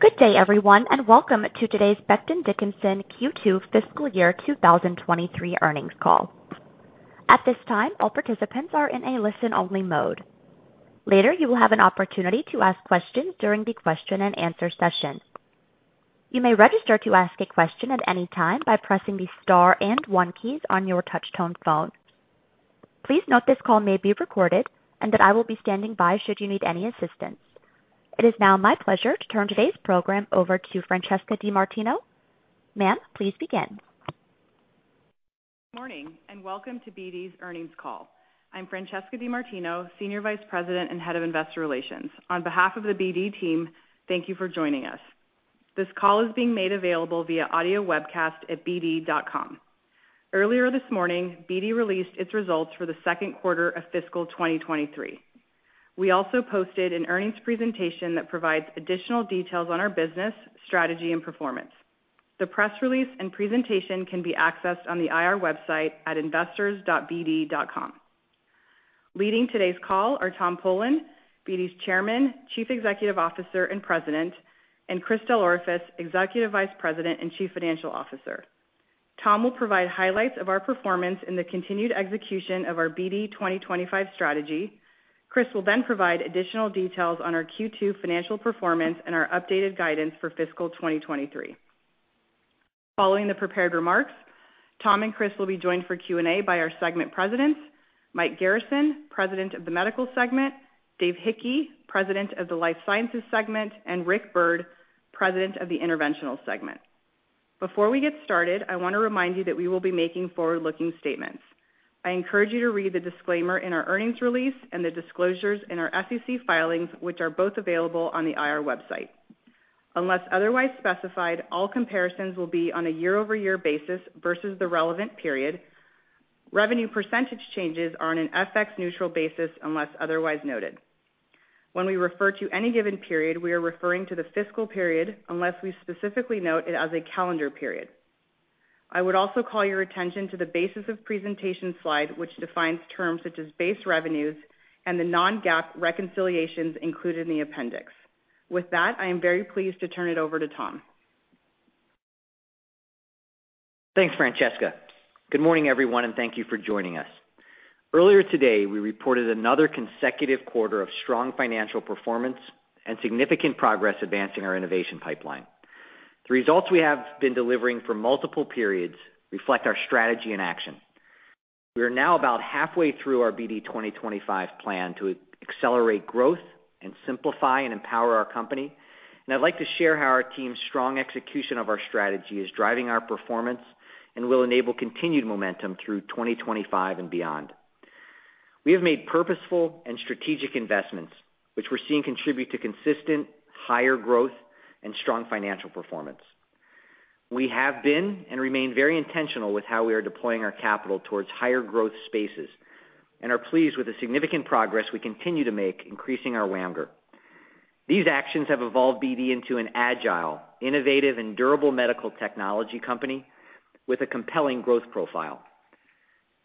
Good day, everyone, and welcome to today's Becton Dickinson Q2 fiscal year 2023 earnings call. At this time, all participants are in a listen-only mode. Later, you will have an opportunity to ask questions during the question-and-answer session. You may register to ask a question at any time by pressing the star and one keys on your touch-tone phone. Please note this call may be recorded, and that I will be standing by should you need any assistance. It is now my pleasure to turn today's program over to Francesca DeMartino. Ma'am, please begin. Morning and welcome to BD's earnings call. I'm Francesca DeMartino, Senior Vice President and Head of Investor Relations. On behalf of the BD team, thank you for joining us. This call is being made available via audio webcast at bd.com. Earlier this morning, BD released its results for the second quarter of fiscal 2023. We also posted an earnings presentation that provides additional details on our business, strategy, and performance. The press release and presentation can be accessed on the IR website at investors.bd.com. Leading today's call are Tom Polen, BD's Chairman, Chief Executive Officer, and President, and Chris DelOrefice, Executive Vice President and Chief Financial Officer. Tom will provide highlights of our performance in the continued execution of our BD 2025 strategy. Chris will then provide additional details on our Q2 financial performance and our updated guidance for fiscal 2023. Following the prepared remarks, Tom and Chris will be joined for Q&A by our segment presidents, Mike Garrison, President of the Medical Segment, Dave Hickey, President of the Life Sciences Segment, and Rick Byrd, President of the Interventional Segment. Before we get started, I wanna remind you that we will be making forward-looking statements. I encourage you to read the disclaimer in our earnings release and the disclosures in our SEC filings, which are both available on the IR website. Unless otherwise specified, all comparisons will be on a year-over-year basis versus the relevant period. Revenue percentage changes are on an FX neutral basis unless otherwise noted. When we refer to any given period, we are referring to the fiscal period unless we specifically note it as a calendar period. I would also call your attention to the basis of presentation slide, which defines terms such as base revenues and the Non-GAAP reconciliations included in the appendix. With that, I am very pleased to turn it over to Tom. Thanks, Francesca. Good morning, everyone, thank you for joining us. Earlier today, we reported another consecutive quarter of strong financial performance and significant progress advancing our innovation pipeline. The results we have been delivering for multiple periods reflect our strategy in action. We are now about halfway through our BD 2025 plan to accelerate growth and simplify and empower our company. I'd like to share how our team's strong execution of our strategy is driving our performance and will enable continued momentum through 2025 and beyond. We have made purposeful and strategic investments, which we're seeing contribute to consistent higher growth and strong financial performance. We have been and remain very intentional with how we are deploying our capital towards higher growth spaces and are pleased with the significant progress we continue to make increasing our WAMGR. These actions have evolved BD into an agile, innovative, and durable medical technology company with a compelling growth profile.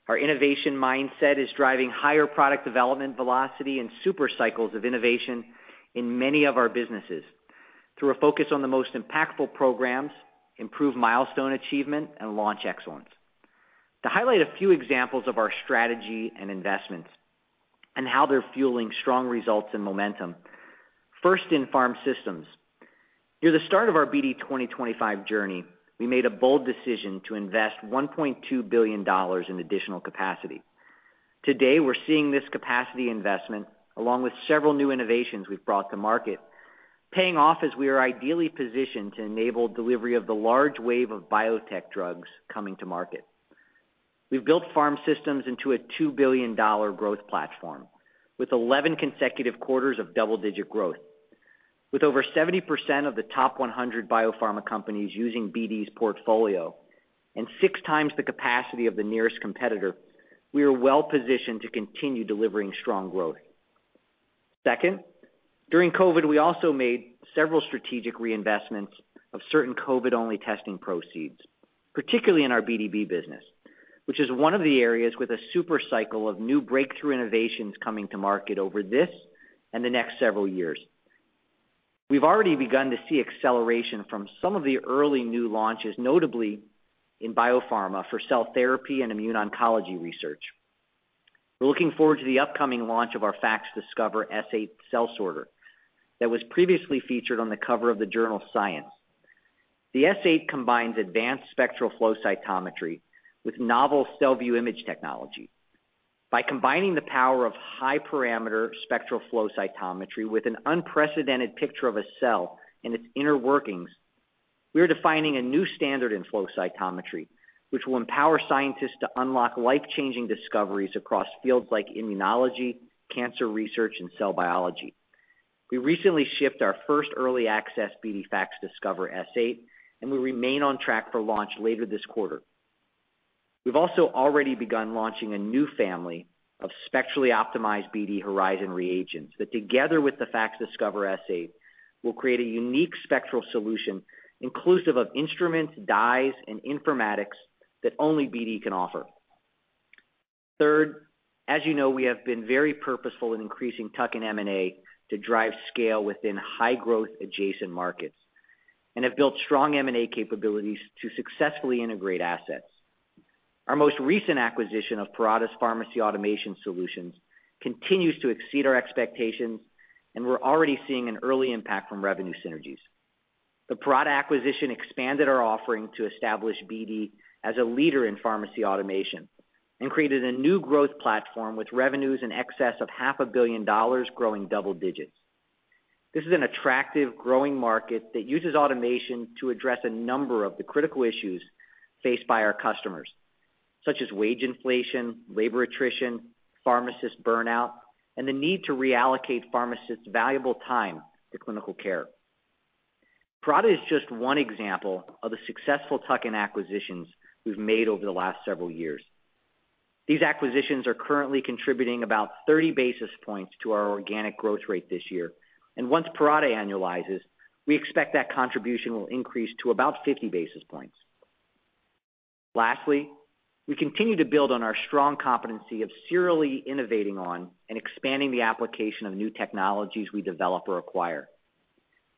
Our innovation mindset is driving higher product development velocity and super cycles of innovation in many of our businesses through a focus on the most impactful programs, improved milestone achievement, and launch excellence. To highlight a few examples of our strategy and investments and how they're fueling strong results and momentum. First, in Pharmaceutical Systems. Near the start of our BD 2025 journey, we made a bold decision to invest $1.2 billion in additional capacity. Today, we're seeing this capacity investment, along with several new innovations we've brought to market, paying off as we are ideally positioned to enable delivery of the large wave of biotech drugs coming to market. We've built Pharmaceutical Systems into a $2 billion growth platform, with 11 consecutive quarters of double-digit growth. With over 70% of the top 100 biopharma companies using BD's portfolio and 6 times the capacity of the nearest competitor, we are well-positioned to continue delivering strong growth. Second, during COVID, we also made several strategic reinvestments of certain COVID-only testing proceeds, particularly in our BDB business, which is one of the areas with a super cycle of new breakthrough innovations coming to market over this and the next several years. We've already begun to see acceleration from some of the early new launches, notably in biopharma for cell therapy and immune oncology research. We're looking forward to the upcoming launch of our FACS Discover S8 cell sorter that was previously featured on the cover of the journal Science. The S8 combines advanced spectral flow cytometry with novel CellView Image Technology. By combining the power of high-parameter spectral flow cytometry with an unprecedented picture of a cell and its inner workings, we are defining a new standard in flow cytometry, which will empower scientists to unlock life-changing discoveries across fields like immunology, cancer research, and cell biology. We recently shipped our first early access BD FACS Discover S8, and we remain on track for launch later this quarter. We've also already begun launching a new family of spectrally optimized BD Horizon reagents that together with the FACS Discover S8 will create a unique spectral solution inclusive of instruments, dyes, and informatics that only BD can offer. Third, as you know, we have been very purposeful in increasing tuck-in M&A to drive scale within high growth adjacent markets and have built strong M&A capabilities to successfully integrate assets. Our most recent acquisition of Parata's Pharmacy Automation Solutions continues to exceed our expectations, we're already seeing an early impact from revenue synergies. The Parata acquisition expanded our offering to establish BD as a leader in pharmacy automation and created a new growth platform with revenues in excess of half a billion dollars growing double digits. This is an attractive growing market that uses automation to address a number of the critical issues faced by our customers, such as wage inflation, labor attrition, pharmacist burnout, and the need to reallocate pharmacists' valuable time to clinical care. Parata is just one example of the successful tuck-in acquisitions we've made over the last several years. These acquisitions are currently contributing about 30 basis points to our organic growth rate this year. Once Parata annualizes, we expect that contribution will increase to about 50 basis points. Lastly, we continue to build on our strong competency of serially innovating on and expanding the application of new technologies we develop or acquire.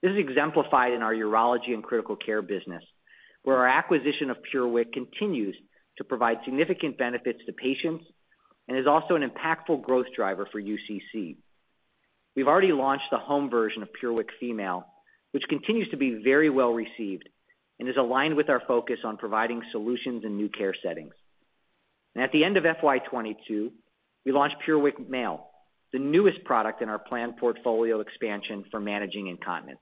This is exemplified in our urology and critical care business, where our acquisition of PureWick continues to provide significant benefits to patients and is also an impactful growth driver for UCC. We've already launched the home version of PureWick Female, which continues to be very well-received and is aligned with our focus on providing solutions in new care settings. At the end of FY 2022, we launched PureWick Male, the newest product in our planned portfolio expansion for managing incontinence.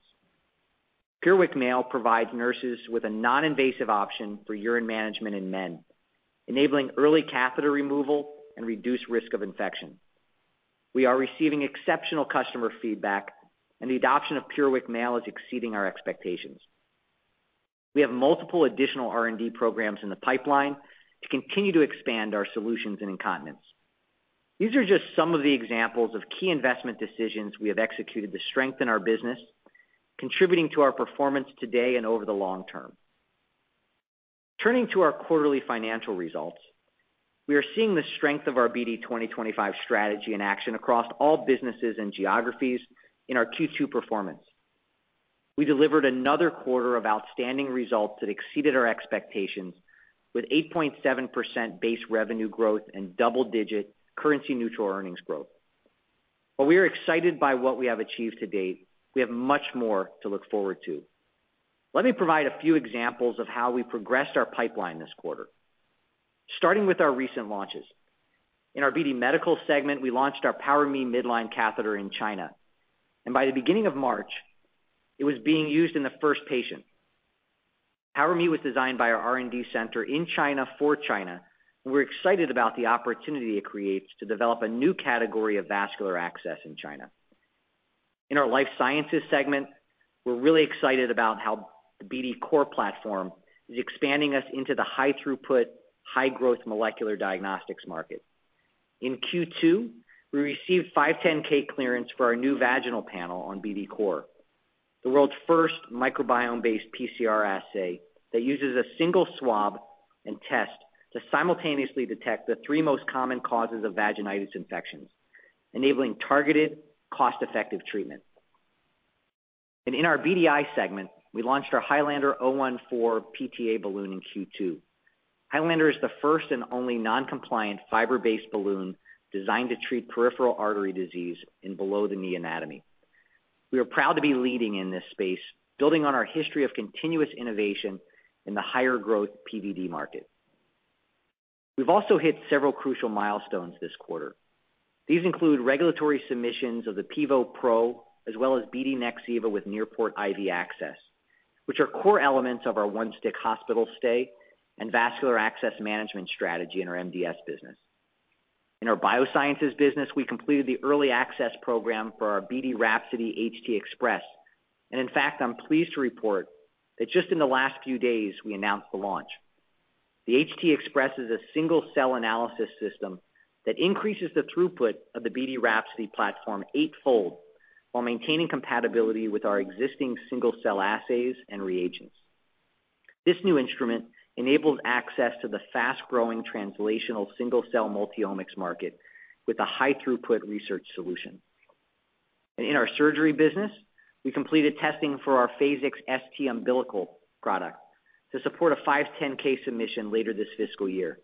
PureWick Male provides nurses with a non-invasive option for urine management in men, enabling early catheter removal and reduced risk of infection. We are receiving exceptional customer feedback, and the adoption of PureWick Male is exceeding our expectations. We have multiple additional R&D programs in the pipeline to continue to expand our solutions in incontinence. These are just some of the examples of key investment decisions we have executed to strengthen our business, contributing to our performance today and over the long term. Turning to our quarterly financial results, we are seeing the strength of our BD 2025 strategy in action across all businesses and geographies in our Q2 performance. We delivered another quarter of outstanding results that exceeded our expectations with 8.7% base revenue growth and double-digit currency-neutral earnings growth. While we are excited by what we have achieved to date, we have much more to look forward to. Let me provide a few examples of how we progressed our pipeline this quarter. Starting with our recent launches. In our BD Medical segment, we launched our PowerMe midline catheter in China. By the beginning of March, it was being used in the first patient. PowerMe was designed by our R&D center in China for China. We're excited about the opportunity it creates to develop a new category of vascular access in China. In our BD Life Sciences segment, we're really excited about how the BD COR platform is expanding us into the high-throughput, high-growth molecular diagnostics market. In Q2, we received 510(k) clearance for our new vaginal panel on BD COR, the world's first microbiome-based PCR assay that uses a single swab and test to simultaneously detect the 3 most common causes of vaginitis infections, enabling targeted, cost-effective treatment. In our BDI segment, we launched our Highlander 014 PTA balloon in Q2. Highlander is the first and only non-compliant fiber-based balloon designed to treat peripheral artery disease in below-the-knee anatomy. We are proud to be leading in this space, building on our history of continuous innovation in the higher growth PVD market. We've also hit several crucial milestones this quarter. These include regulatory submissions of the Pivo Pro, as well as BD Nexiva with NearPort IV Access, which are core elements of our one-stick hospital stay and vascular access management strategy in our MDS business. In our Biosciences business, we completed the early access program for our BD Rhapsody HT Xpress, and in fact, I'm pleased to report that just in the last few days, we announced the launch. The HT Xpress is a single-cell analysis system that increases the throughput of the BD Rhapsody platform eightfold while maintaining compatibility with our existing single-cell assays and reagents. This new instrument enables access to the fast-growing translational single-cell multi-omics market with a high-throughput research solution. In our surgery business, we completed testing for our Phasix ST Umbilical product to support a 510(k) submission later this fiscal year.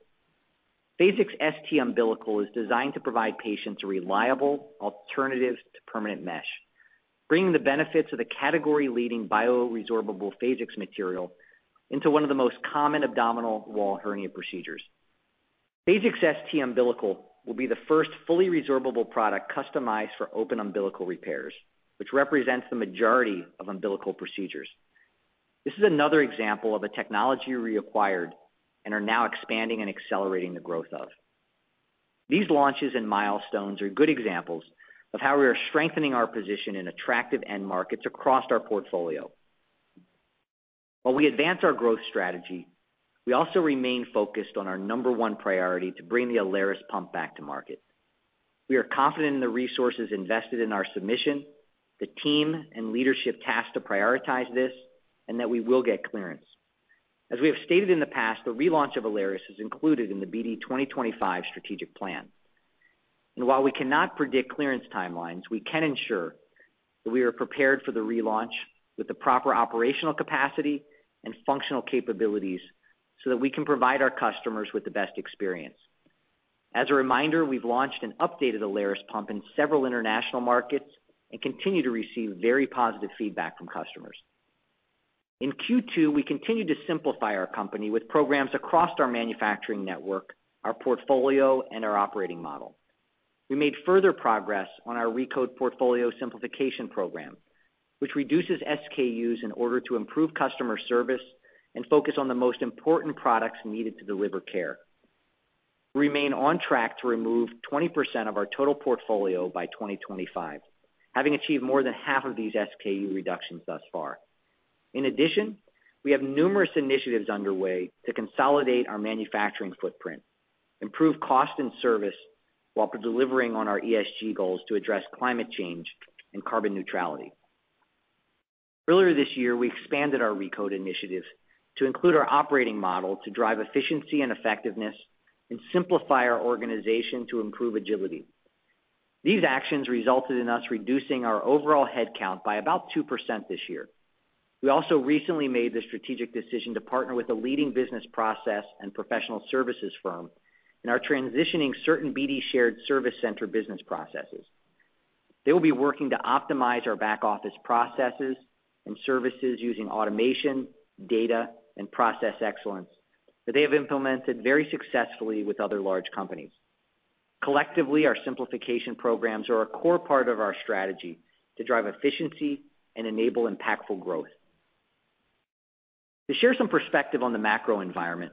Phasix ST Umbilical is designed to provide patients a reliable alternative to permanent mesh, bringing the benefits of the category-leading bioresorbable Phasix material into one of the most common abdominal wall hernia procedures. Phasix ST Umbilical will be the first fully resorbable product customized for open umbilical repairs, which represents the majority of umbilical procedures. This is another example of a technology we acquired and are now expanding and accelerating the growth of. These launches and milestones are good examples of how we are strengthening our position in attractive end markets across our portfolio. While we advance our growth strategy, we also remain focused on our number 1 priority to bring the Alaris pump back to market. We are confident in the resources invested in our submission, the team and leadership tasked to prioritize this, and that we will get clearance. As we have stated in the past, the relaunch of Alaris is included in the BD 2025 strategic plan. While we cannot predict clearance timelines, we can ensure that we are prepared for the relaunch with the proper operational capacity and functional capabilities so that we can provide our customers with the best experience. As a reminder, we've launched an updated Alaris pump in several international markets and continue to receive very positive feedback from customers. In Q2, we continued to simplify our company with programs across our manufacturing network, our portfolio, and our operating model. We made further progress on our Recode portfolio simplification program, which reduces SKUs in order to improve customer service and focus on the most important products needed to deliver care. We remain on track to remove 20% of our total portfolio by 2025, having achieved more than half of these SKU reductions thus far. We have numerous initiatives underway to consolidate our manufacturing footprint, improve cost and service while delivering on our ESG goals to address climate change and carbon neutrality. Earlier this year, we expanded our Recode initiative to include our operating model to drive efficiency and effectiveness and simplify our organization to improve agility. These actions resulted in us reducing our overall headcount by about 2% this year. We also recently made the strategic decision to partner with a leading business process and professional services firm and are transitioning certain BD shared service center business processes. They will be working to optimize our back-office processes and services using automation, data, and process excellence that they have implemented very successfully with other large companies. Collectively, our simplification programs are a core part of our strategy to drive efficiency and enable impactful growth. To share some perspective on the macro environment,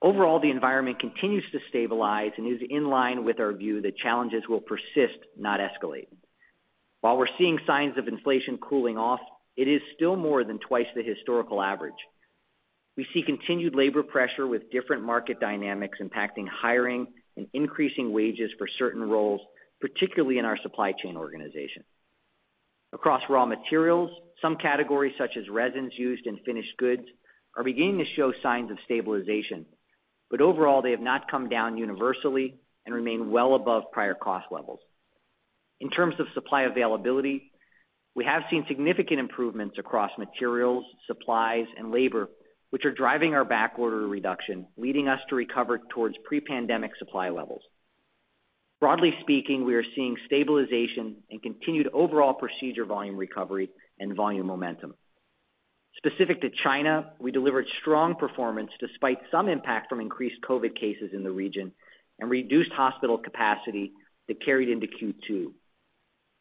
overall the environment continues to stabilize and is in line with our view that challenges will persist, not escalate. While we're seeing signs of inflation cooling off, it is still more than 2x the historical average. We see continued labor pressure with different market dynamics impacting hiring and increasing wages for certain roles, particularly in our supply chain organization. Across raw materials, some categories such as resins used in finished goods are beginning to show signs of stabilization, but overall, they have not come down universally and remain well above prior cost levels. In terms of supply availability, we have seen significant improvements across materials, supplies, and labor, which are driving our backorder reduction, leading us to recover towards pre-pandemic supply levels. Broadly speaking, we are seeing stabilization and continued overall procedure volume recovery and volume momentum. Specific to China, we delivered strong performance despite some impact from increased COVID cases in the region and reduced hospital capacity that carried into Q2.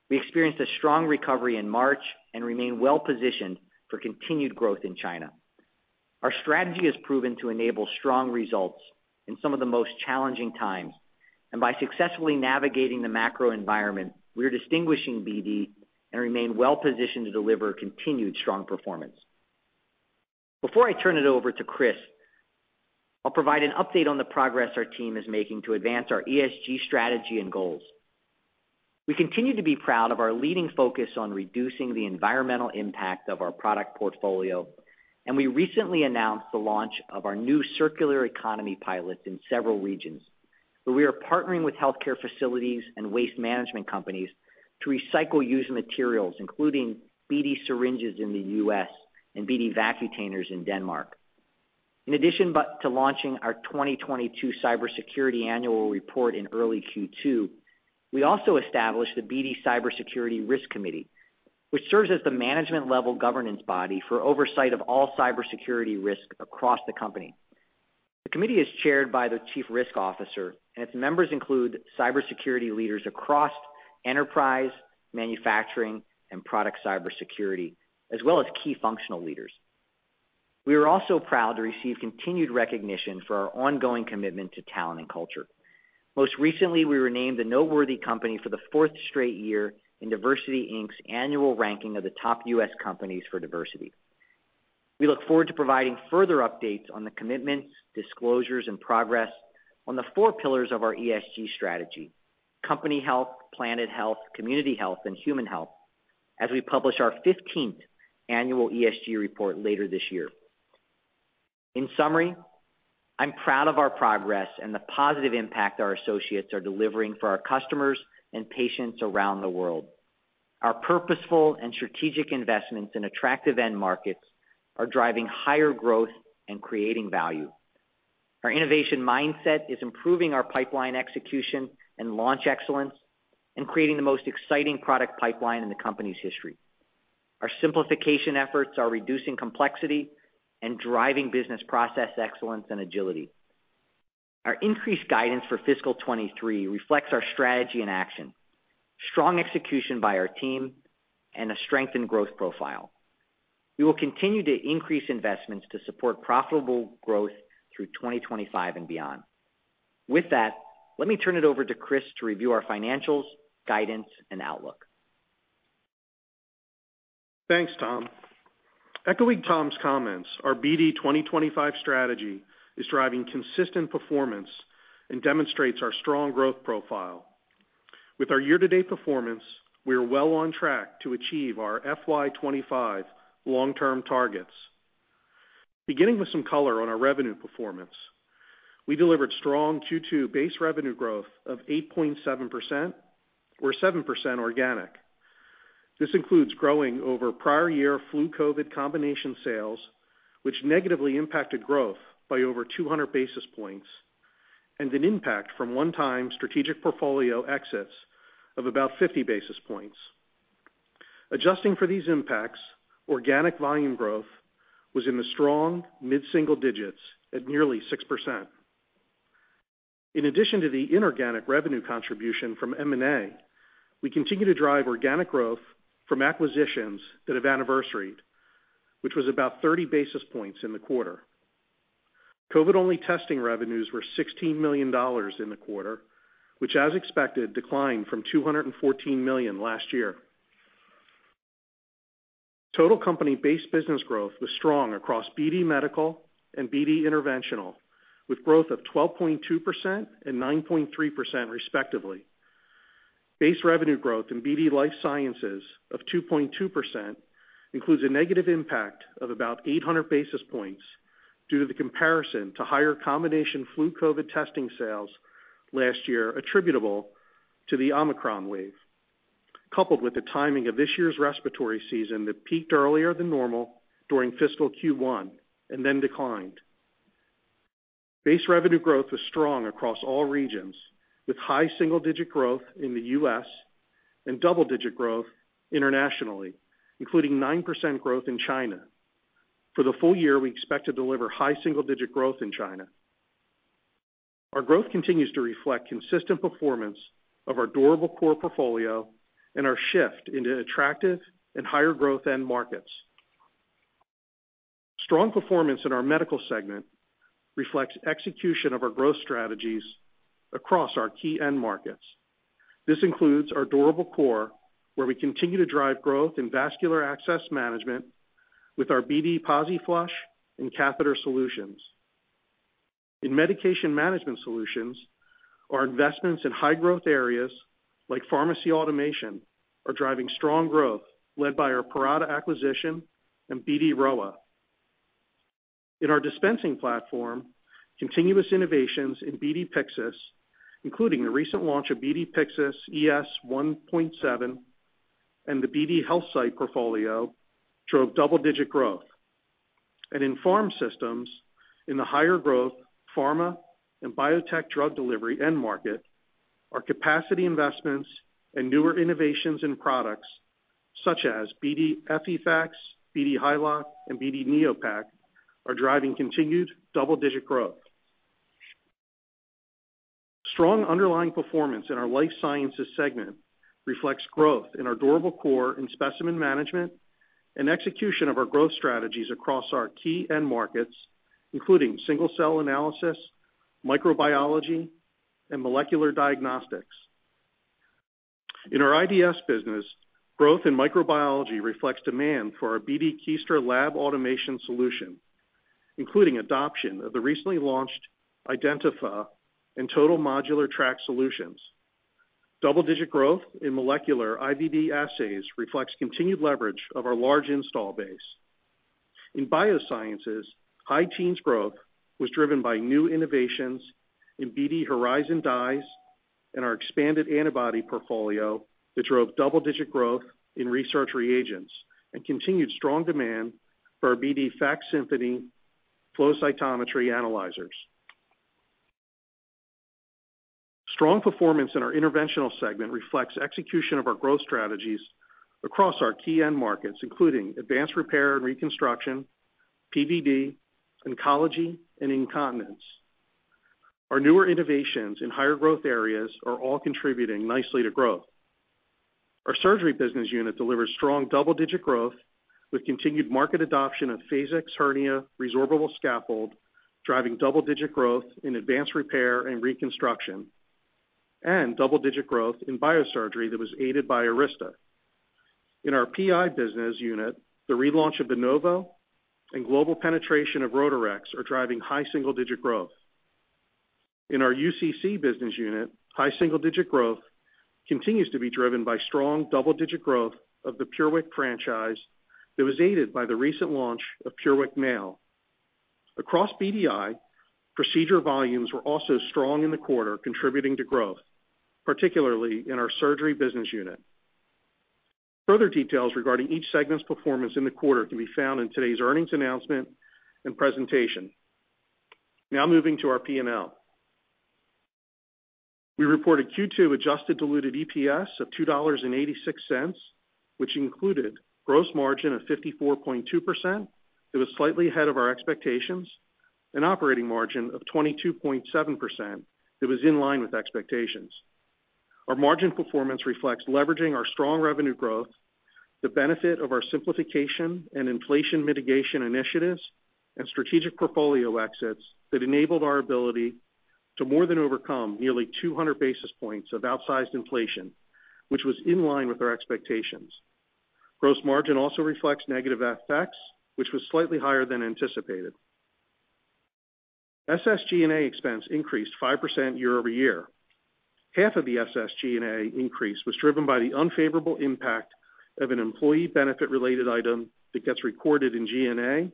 We experienced a strong recovery in March and remain well positioned for continued growth in China. Our strategy has proven to enable strong results in some of the most challenging times, by successfully navigating the macro environment, we are distinguishing BD and remain well positioned to deliver continued strong performance. Before I turn it over to Chris, I'll provide an update on the progress our team is making to advance our ESG strategy and goals. We continue to be proud of our leading focus on reducing the environmental impact of our product portfolio, we recently announced the launch of our new circular economy pilot in several regions, where we are partnering with healthcare facilities and waste management companies to recycle used materials, including BD syringes in the U.S. and BD Vacutainers in Denmark. In addition to launching our 2022 cybersecurity annual report in early Q2, we also established the BD Cybersecurity Risk Committee, which serves as the management-level governance body for oversight of all cybersecurity risk across the company. The committee is chaired by the chief risk officer, and its members include cybersecurity leaders across enterprise, manufacturing, and product cybersecurity, as well as key functional leaders. We are also proud to receive continued recognition for our ongoing commitment to talent and culture. Most recently, we were named a noteworthy company for the fourth straight year in DiversityInc's annual ranking of the top U.S. companies for diversity. We look forward to providing further updates on the commitments, disclosures, and progress on the four pillars of our ESG strategy: company health, planet health, community health, and human health, as we publish our 15th annual ESG report later this year. In summary, I'm proud of our progress and the positive impact our associates are delivering for our customers and patients around the world. Our purposeful and strategic investments in attractive end markets are driving higher growth and creating value. Our innovation mindset is improving our pipeline execution and launch excellence and creating the most exciting product pipeline in the company's history. Our simplification efforts are reducing complexity and driving business process excellence and agility. Our increased guidance for fiscal 23 reflects our strategy in action, strong execution by our team, and a strengthened growth profile. We will continue to increase investments to support profitable growth through 2025 and beyond. With that, let me turn it over to Chris to review our financials, guidance, and outlook. Thanks, Tom. Echoing Tom's comments, our BD 2025 strategy is driving consistent performance and demonstrates our strong growth profile. With our year-to-date performance, we are well on track to achieve our FY 25 long-term targets. Beginning with some color on our revenue performance, we delivered strong Q2 base revenue growth of 8.7% or 7% organic. This includes growing over prior year flu COVID combination sales, which negatively impacted growth by over 200 basis points and an impact from one-time strategic portfolio exits of about 50 basis points. Adjusting for these impacts, organic volume growth was in the strong mid-single digits at nearly 6%. In addition to the inorganic revenue contribution from M&A, we continue to drive organic growth from acquisitions that have anniversaried, which was about 30 basis points in the quarter. COVID-only testing revenues were $16 million in the quarter, which, as expected, declined from $214 million last year. Total company base business growth was strong across BD Medical and BD Interventional, with growth of 12.2% and 9.3% respectively. Base revenue growth in BD Life Sciences of 2.2% includes a negative impact of about 800 basis points due to the comparison to higher combination flu COVID testing sales last year attributable to the Omicron wave, coupled with the timing of this year's respiratory season that peaked earlier than normal during fiscal Q1 then declined. Base revenue growth was strong across all regions, with high single-digit growth in the U.S. and double-digit growth internationally, including 9% growth in China. For the full year, we expect to deliver high single-digit growth in China. Our growth continues to reflect consistent performance of our durable core portfolio and our shift into attractive and higher growth end markets. Strong performance in our BD Medical segment reflects execution of our growth strategies across our key end markets. This includes our durable core, where we continue to drive growth in vascular access management with our BD PosiFlush and catheter solutions. In Medication Management Solutions, our investments in high growth areas like pharmacy automation are driving strong growth led by our Parata acquisition and BD Rowa. In our dispensing platform, continuous innovations in BD Pyxis, including the recent launch of BD Pyxis ES 1.7 and the BD HealthSight portfolio, drove double-digit growth. In Pharm Systems, in the higher growth pharma and biotech drug delivery end market, our capacity investments and newer innovations in products such as BD Effivax, BD Hylok, and BD Neopak are driving continued double-digit growth. Strong underlying performance in our Life Sciences segment reflects growth in our durable core in specimen management and execution of our growth strategies across our key end markets, including single-cell analysis, microbiology, and molecular diagnostics. In our IDS business, growth in microbiology reflects demand for our BD Kiestra lab automation solution, including adoption of the recently launched IdentifA and Total Modular Track solutions. Double-digit growth in molecular IVD assays reflects continued leverage of our large install base. In Biosciences, high teens growth was driven by new innovations in BD Horizon dyes and our expanded antibody portfolio that drove double-digit growth in research reagents and continued strong demand for our BD FACSymphony flow cytometry analyzers. Strong performance in our Interventional segment reflects execution of our growth strategies across our key end markets, including advanced repair and reconstruction, PVD, oncology, and incontinence. Our newer innovations in higher growth areas are all contributing nicely to growth. Our surgery business unit delivered strong double-digit growth with continued market adoption of Phasix hernia resorbable scaffold, driving double-digit growth in advanced repair and reconstruction, and double-digit growth in biosurgery that was aided by Arista. In our PI business unit, the relaunch of the Novo and global penetration of Rotarex are driving high single-digit growth. In our UCC business unit, high single-digit growth continues to be driven by strong double-digit growth of the PureWick franchise that was aided by the recent launch of PureWick Male. Across BDI, procedure volumes were also strong in the quarter, contributing to growth, particularly in our surgery business unit. Further details regarding each segment's performance in the quarter can be found in today's earnings announcement and presentation. Moving to our P&L. We reported Q2 adjusted diluted EPS of $2.86, which included gross margin of 54.2% that was slightly ahead of our expectations, an operating margin of 22.7% that was in line with expectations. Our margin performance reflects leveraging our strong revenue growth, the benefit of our simplification and inflation mitigation initiatives, and strategic portfolio exits that enabled our ability to more than overcome nearly 200 basis points of outsized inflation, which was in line with our expectations. Gross margin also reflects negative FX, which was slightly higher than anticipated. SSG&A expense increased 5% year-over-year. Half of the SSG&A increase was driven by the unfavorable impact of an employee benefit-related item that gets recorded in G&A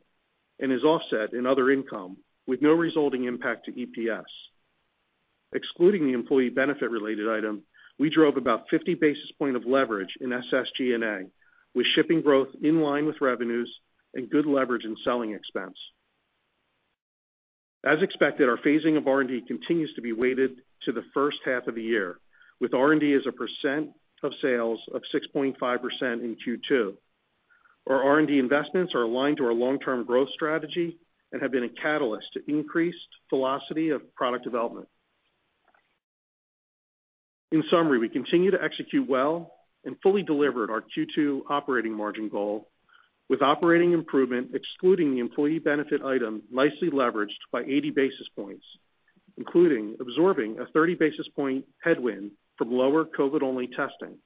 and is offset in other income with no resulting impact to EPS. Excluding the employee benefit-related item, we drove about 50 basis point of leverage in SSG&A, with shipping growth in line with revenues and good leverage in selling expense. As expected, our phasing of R&D continues to be weighted to the first half of the year, with R&D as a percent of sales of 6.5% in Q2. Our R&D investments are aligned to our long-term growth strategy and have been a catalyst to increased velocity of product development. In summary, we continue to execute well and fully delivered our Q2 operating margin goal with operating improvement, excluding the employee benefit item, nicely leveraged by 80 basis points, including absorbing a 30 basis point headwind from lower COVID-only testing.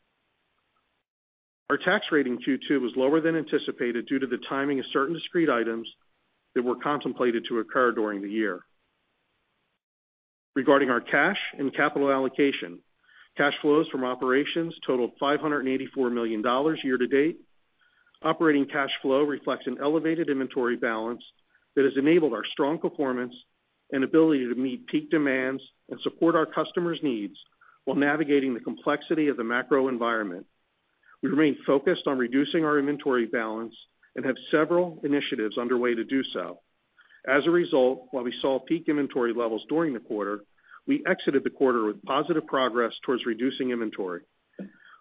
Our tax rate in Q2 was lower than anticipated due to the timing of certain discrete items that were contemplated to occur during the year. Regarding our cash and capital allocation, cash flows from operations totaled $584 million year-to-date. Operating cash flow reflects an elevated inventory balance that has enabled our strong performance and ability to meet peak demands and support our customers' needs while navigating the complexity of the macro environment. We remain focused on reducing our inventory balance and have several initiatives underway to do so. As a result, while we saw peak inventory levels during the quarter, we exited the quarter with positive progress towards reducing inventory.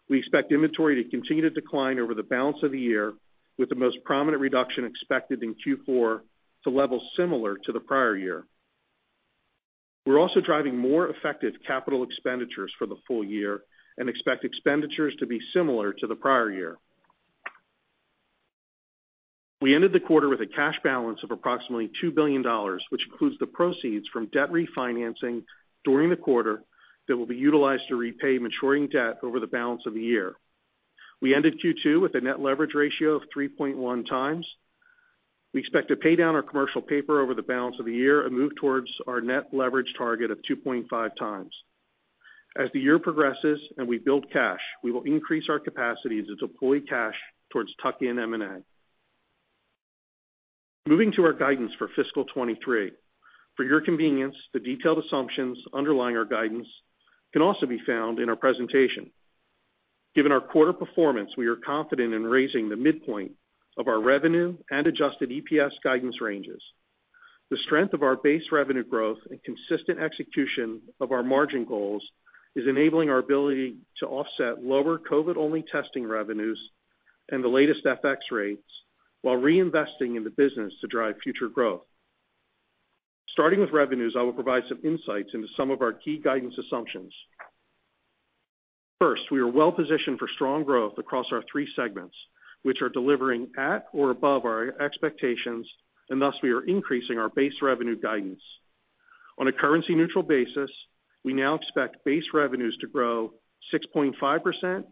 We expect inventory to continue to decline over the balance of the year, with the most prominent reduction expected in Q4 to levels similar to the prior year. We're also driving more effective capital expenditures for the full year and expect expenditures to be similar to the prior year. We ended the quarter with a cash balance of approximately $2 billion, which includes the proceeds from debt refinancing during the quarter that will be utilized to repay maturing debt over the balance of the year. We ended Q2 with a net leverage ratio of 3.1 times. We expect to pay down our commercial paper over the balance of the year and move towards our net leverage target of 2.5 times. As the year progresses and we build cash, we will increase our capacity to deploy cash towards tuck-in M&A. Moving to our guidance for fiscal 2023. For your convenience, the detailed assumptions underlying our guidance can also be found in our presentation. Given our quarter performance, we are confident in raising the midpoint of our revenue and adjusted EPS guidance ranges. The strength of our base revenue growth and consistent execution of our margin goals is enabling our ability to offset lower COVID-only testing revenues and the latest FX rates while reinvesting in the business to drive future growth. Starting with revenues, I will provide some insights into some of our key guidance assumptions. First, we are well positioned for strong growth across our three segments, which are delivering at or above our expectations, and thus we are increasing our base revenue guidance. On a currency-neutral basis, we now expect base revenues to grow 6.5%-7%.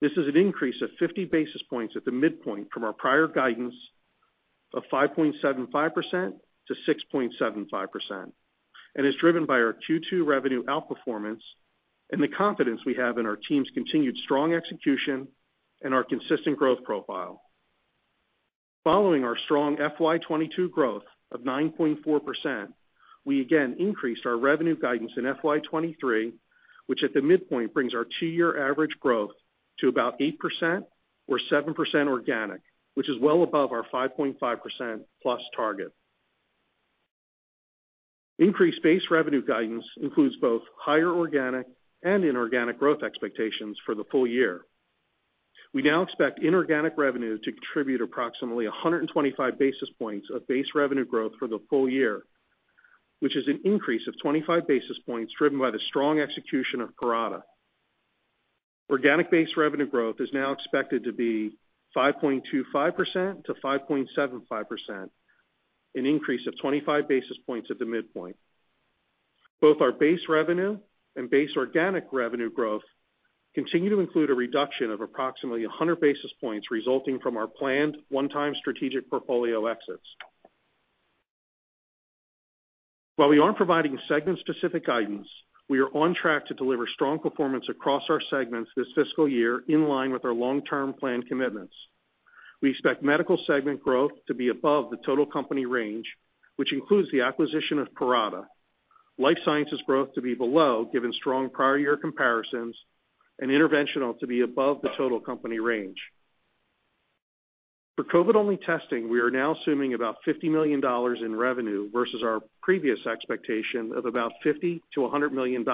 This is an increase of 50 basis points at the midpoint from our prior guidance of 5.75%-6.75% and is driven by our Q2 revenue outperformance and the confidence we have in our team's continued strong execution and our consistent growth profile. Following our strong FY 2022 growth of 9.4%, we again increased our revenue guidance in FY 2023, which at the midpoint brings our two-year average growth to about 8% or 7% organic, which is well above our 5.5%+ target. Increased base revenue guidance includes both higher organic and inorganic growth expectations for the full year. We now expect inorganic revenue to contribute approximately 125 basis points of base revenue growth for the full year, which is an increase of 25 basis points driven by the strong execution of Parata. Organic base revenue growth is now expected to be 5.25%-5.75%, an increase of 25 basis points at the midpoint. Both our base revenue and base organic revenue growth continue to include a reduction of approximately 100 basis points resulting from our planned one-time strategic portfolio exits. While we aren't providing segment-specific guidance, we are on track to deliver strong performance across our segments this fiscal year in line with our long-term plan commitments. We expect Medical segment growth to be above the total company range, which includes the acquisition of Parata. Life Sciences growth to be below, given strong prior year comparisons, and Interventional to be above the total company range. For COVID-only testing, we are now assuming about $50 million in revenue versus our previous expectation of about $50 million-$100 million,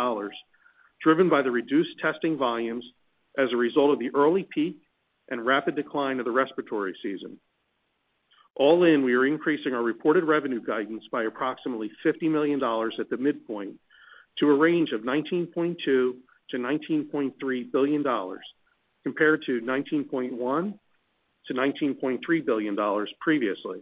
driven by the reduced testing volumes as a result of the early peak and rapid decline of the respiratory season. All in, we are increasing our reported revenue guidance by approximately $50 million at the midpoint to a range of $19.2 billion-$19.3 billion, compared to $19.1 billion to $19.3 billion previously.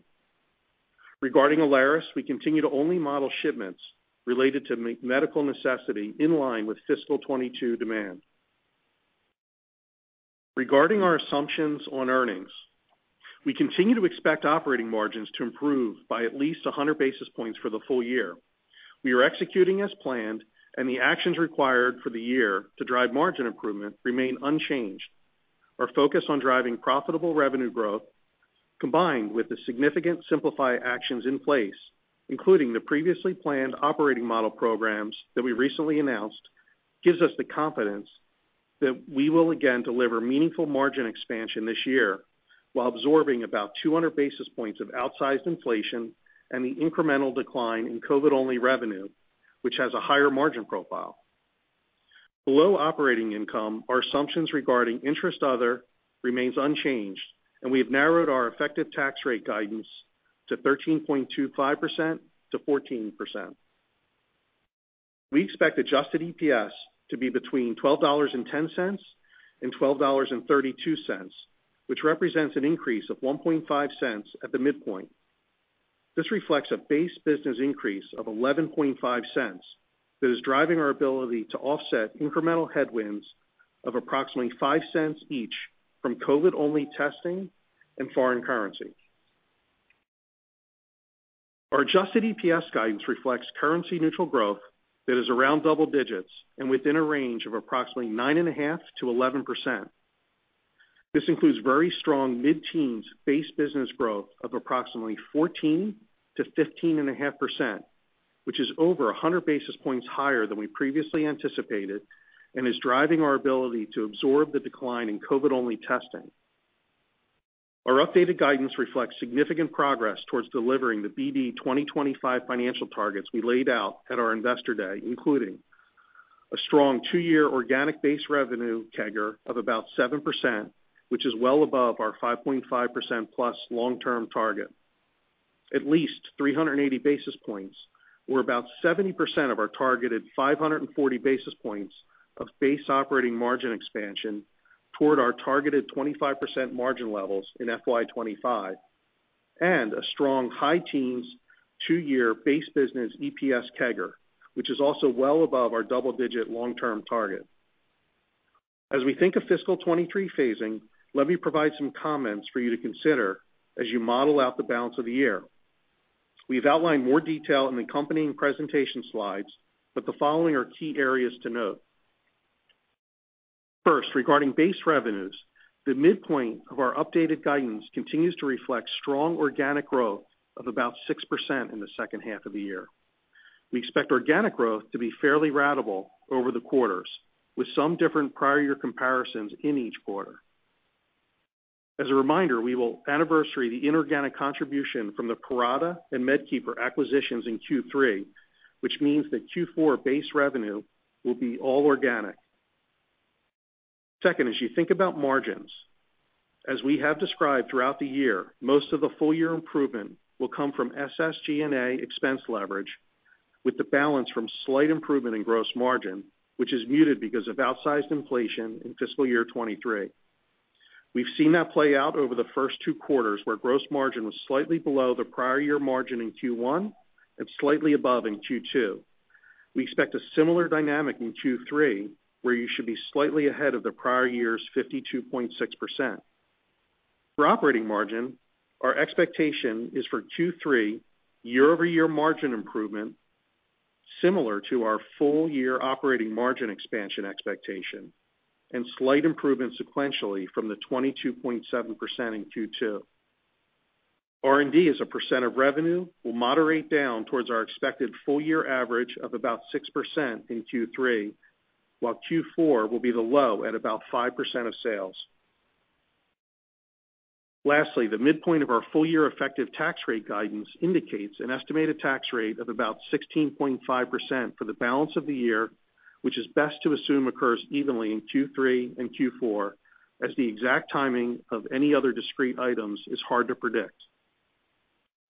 Regarding Alaris, we continue to only model shipments related to medical necessity in line with fiscal 2022 demand. Regarding our assumptions on earnings, we continue to expect operating margins to improve by at least 100 basis points for the full year. The actions required for the year to drive margin improvement remain unchanged. Our focus on driving profitable revenue growth, combined with the significant simplify actions in place, including the previously planned operating model programs that we recently announced, gives us the confidence that we will again deliver meaningful margin expansion this year while absorbing about 200 basis points of outsized inflation and the incremental decline in COVID-only revenue, which has a higher margin profile. Below operating income, our assumptions regarding interest other remains unchanged, and we have narrowed our effective tax rate guidance to 13.25%-14%. We expect adjusted EPS to be between $12.10 and $12.32, which represents an increase of $0.015 at the midpoint. This reflects a base business increase of $0.115 that is driving our ability to offset incremental headwinds of approximately $0.05 each from COVID-only testing and foreign currency. Our adjusted EPS guidance reflects currency neutral growth that is around double digits and within a range of approximately 9.5%-11%. This includes very strong mid-teens base business growth of approximately 14%-15.5%, which is over 100 basis points higher than we previously anticipated and is driving our ability to absorb the decline in COVID-only testing. Our updated guidance reflects significant progress towards delivering the BD 2025 financial targets we laid out at our Investor Day, including a strong 2-year organic base revenue CAGR of about 7%, which is well above our 5.5%+ long-term target. At least 380 basis points, or about 70% of our targeted 540 basis points of base operating margin expansion toward our targeted 25% margin levels in FY 2025, and a strong high teens two-year base business EPS CAGR, which is also well above our double-digit long-term target. As we think of fiscal 2023 phasing, let me provide some comments for you to consider as you model out the balance of the year. We've outlined more detail in the accompanying presentation slides, but the following are key areas to note. First, regarding base revenues, the midpoint of our updated guidance continues to reflect strong organic growth of about 6% in the second half of the year. We expect organic growth to be fairly ratable over the quarters, with some different prior year comparisons in each quarter. As a reminder, we will anniversary the inorganic contribution from the Parata and MedKeeper acquisitions in Q3, which means that Q4 base revenue will be all organic. Second, as you think about margins, as we have described throughout the year, most of the full year improvement will come from SSG&A expense leverage, with the balance from slight improvement in gross margin, which is muted because of outsized inflation in fiscal year 2023. We've seen that play out over the first two quarters, where gross margin was slightly below the prior year margin in Q1 and slightly above in Q2. We expect a similar dynamic in Q3, where you should be slightly ahead of the prior year's 52.6%. For operating margin, our expectation is for Q3 year-over-year margin improvement similar to our full year operating margin expansion expectation and slight improvement sequentially from the 22.7% in Q2. R&D as a percent of revenue will moderate down towards our expected full year average of about 6% in Q3, while Q4 will be the low at about 5% of sales. Lastly, the midpoint of our full year effective tax rate guidance indicates an estimated tax rate of about 16.5% for the balance of the year, which is best to assume occurs evenly in Q3 and Q4, as the exact timing of any other discrete items is hard to predict.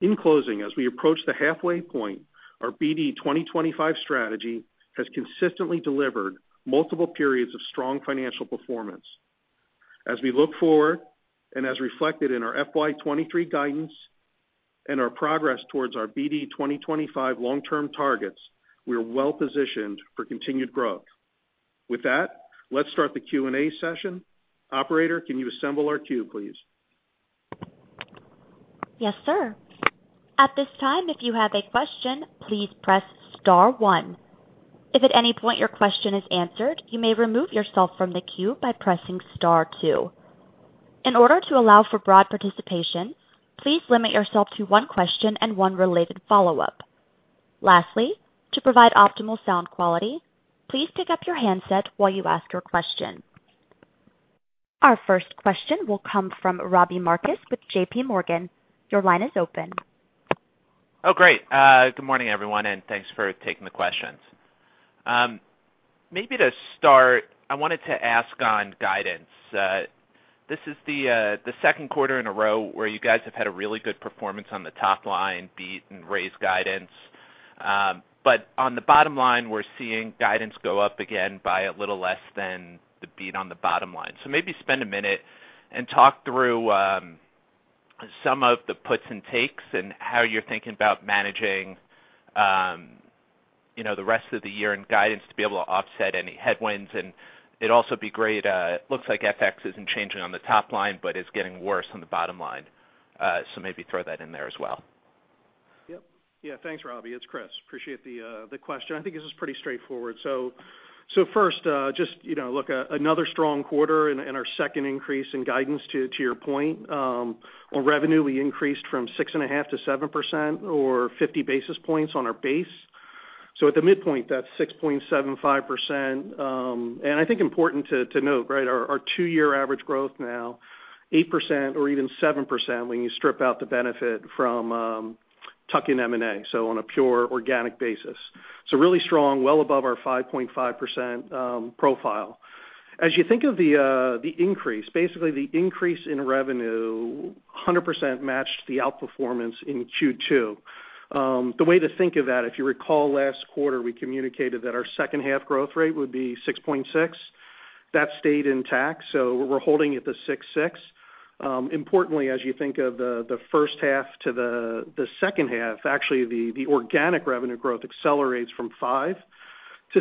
In closing, as we approach the halfway point, our BD 2025 strategy has consistently delivered multiple periods of strong financial performance. As we look forward, and as reflected in our FY 2023 guidance and our progress towards our BD 2025 long-term targets, we are well positioned for continued growth. With that, let's start the Q&A session. Operator, can you assemble our queue, please? Yes, sir. At this time, if you have a question, please press star one. If at any point your question is answered, you may remove yourself from the queue by pressing star two. In order to allow for broad participation, please limit yourself to one question and one related follow-up. Lastly, to provide optimal sound quality, please pick up your handset while you ask your question. Our first question will come from Robbie Marcus with J.P. Morgan. Your line is open. Great. Good morning, everyone, thanks for taking the questions. Maybe to start, I wanted to ask on guidance. This is the second quarter in a row where you guys have had a really good performance on the top line beat and raised guidance. On the bottom line, we're seeing guidance go up again by a little less than the beat on the bottom line. Maybe spend a minute and talk through some of the puts and takes and how you're thinking about managing, you know, the rest of the year and guidance to be able to offset any headwinds. It'd also be great, it looks like FX isn't changing on the top line, but it's getting worse on the bottom line. Maybe throw that in there as well. Yep. Yeah. Thanks, Robbie. It's Chris. Appreciate the question. I think this is pretty straightforward. First, just, you know, look, another strong quarter and our second increase in guidance to your point. On revenue, we increased from 6.5% to 7% or 50 basis points on our base. At the midpoint, that's 6.75%. I think important to note, right, our two-year average growth now, 8% or even 7% when you strip out the benefit from tucking M&A, on a pure organic basis. Really strong, well above our 5.5% profile. As you think of the increase, basically the increase in revenue 100% matched the outperformance in Q2. The way to think of that, if you recall last quarter, we communicated that our second half growth rate would be 6.6. That stayed intact, so we're holding at the 6.6. Importantly, as you think of the first half to the second half, actually the organic revenue growth accelerates from 5% to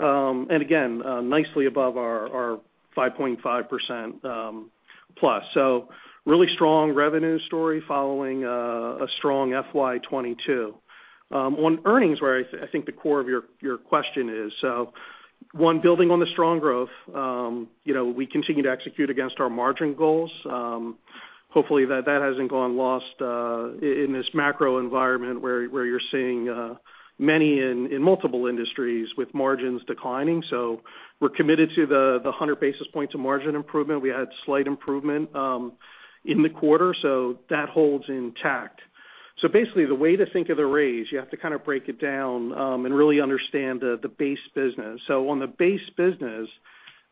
6%, and again, nicely above our 5.5%+. Really strong revenue story following a strong FY 2022. On earnings, where I think the core of your question is, so one, building on the strong growth, you know, we continue to execute against our margin goals. Hopefully that hasn't gone lost in this macro environment where you're seeing many in multiple industries with margins declining. We're committed to the 100 basis points of margin improvement. We had slight improvement in the quarter, so that holds intact. Basically, the way to think of the raise, you have to kind of break it down and really understand the base business. On the base business,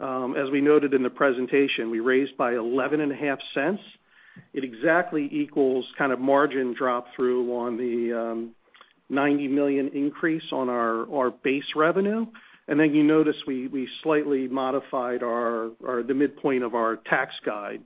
as we noted in the presentation, we raised by 11 and a half cents. It exactly equals kind of margin drop through on the $90 million increase on our base revenue. You notice we slightly modified our the midpoint of our tax guide.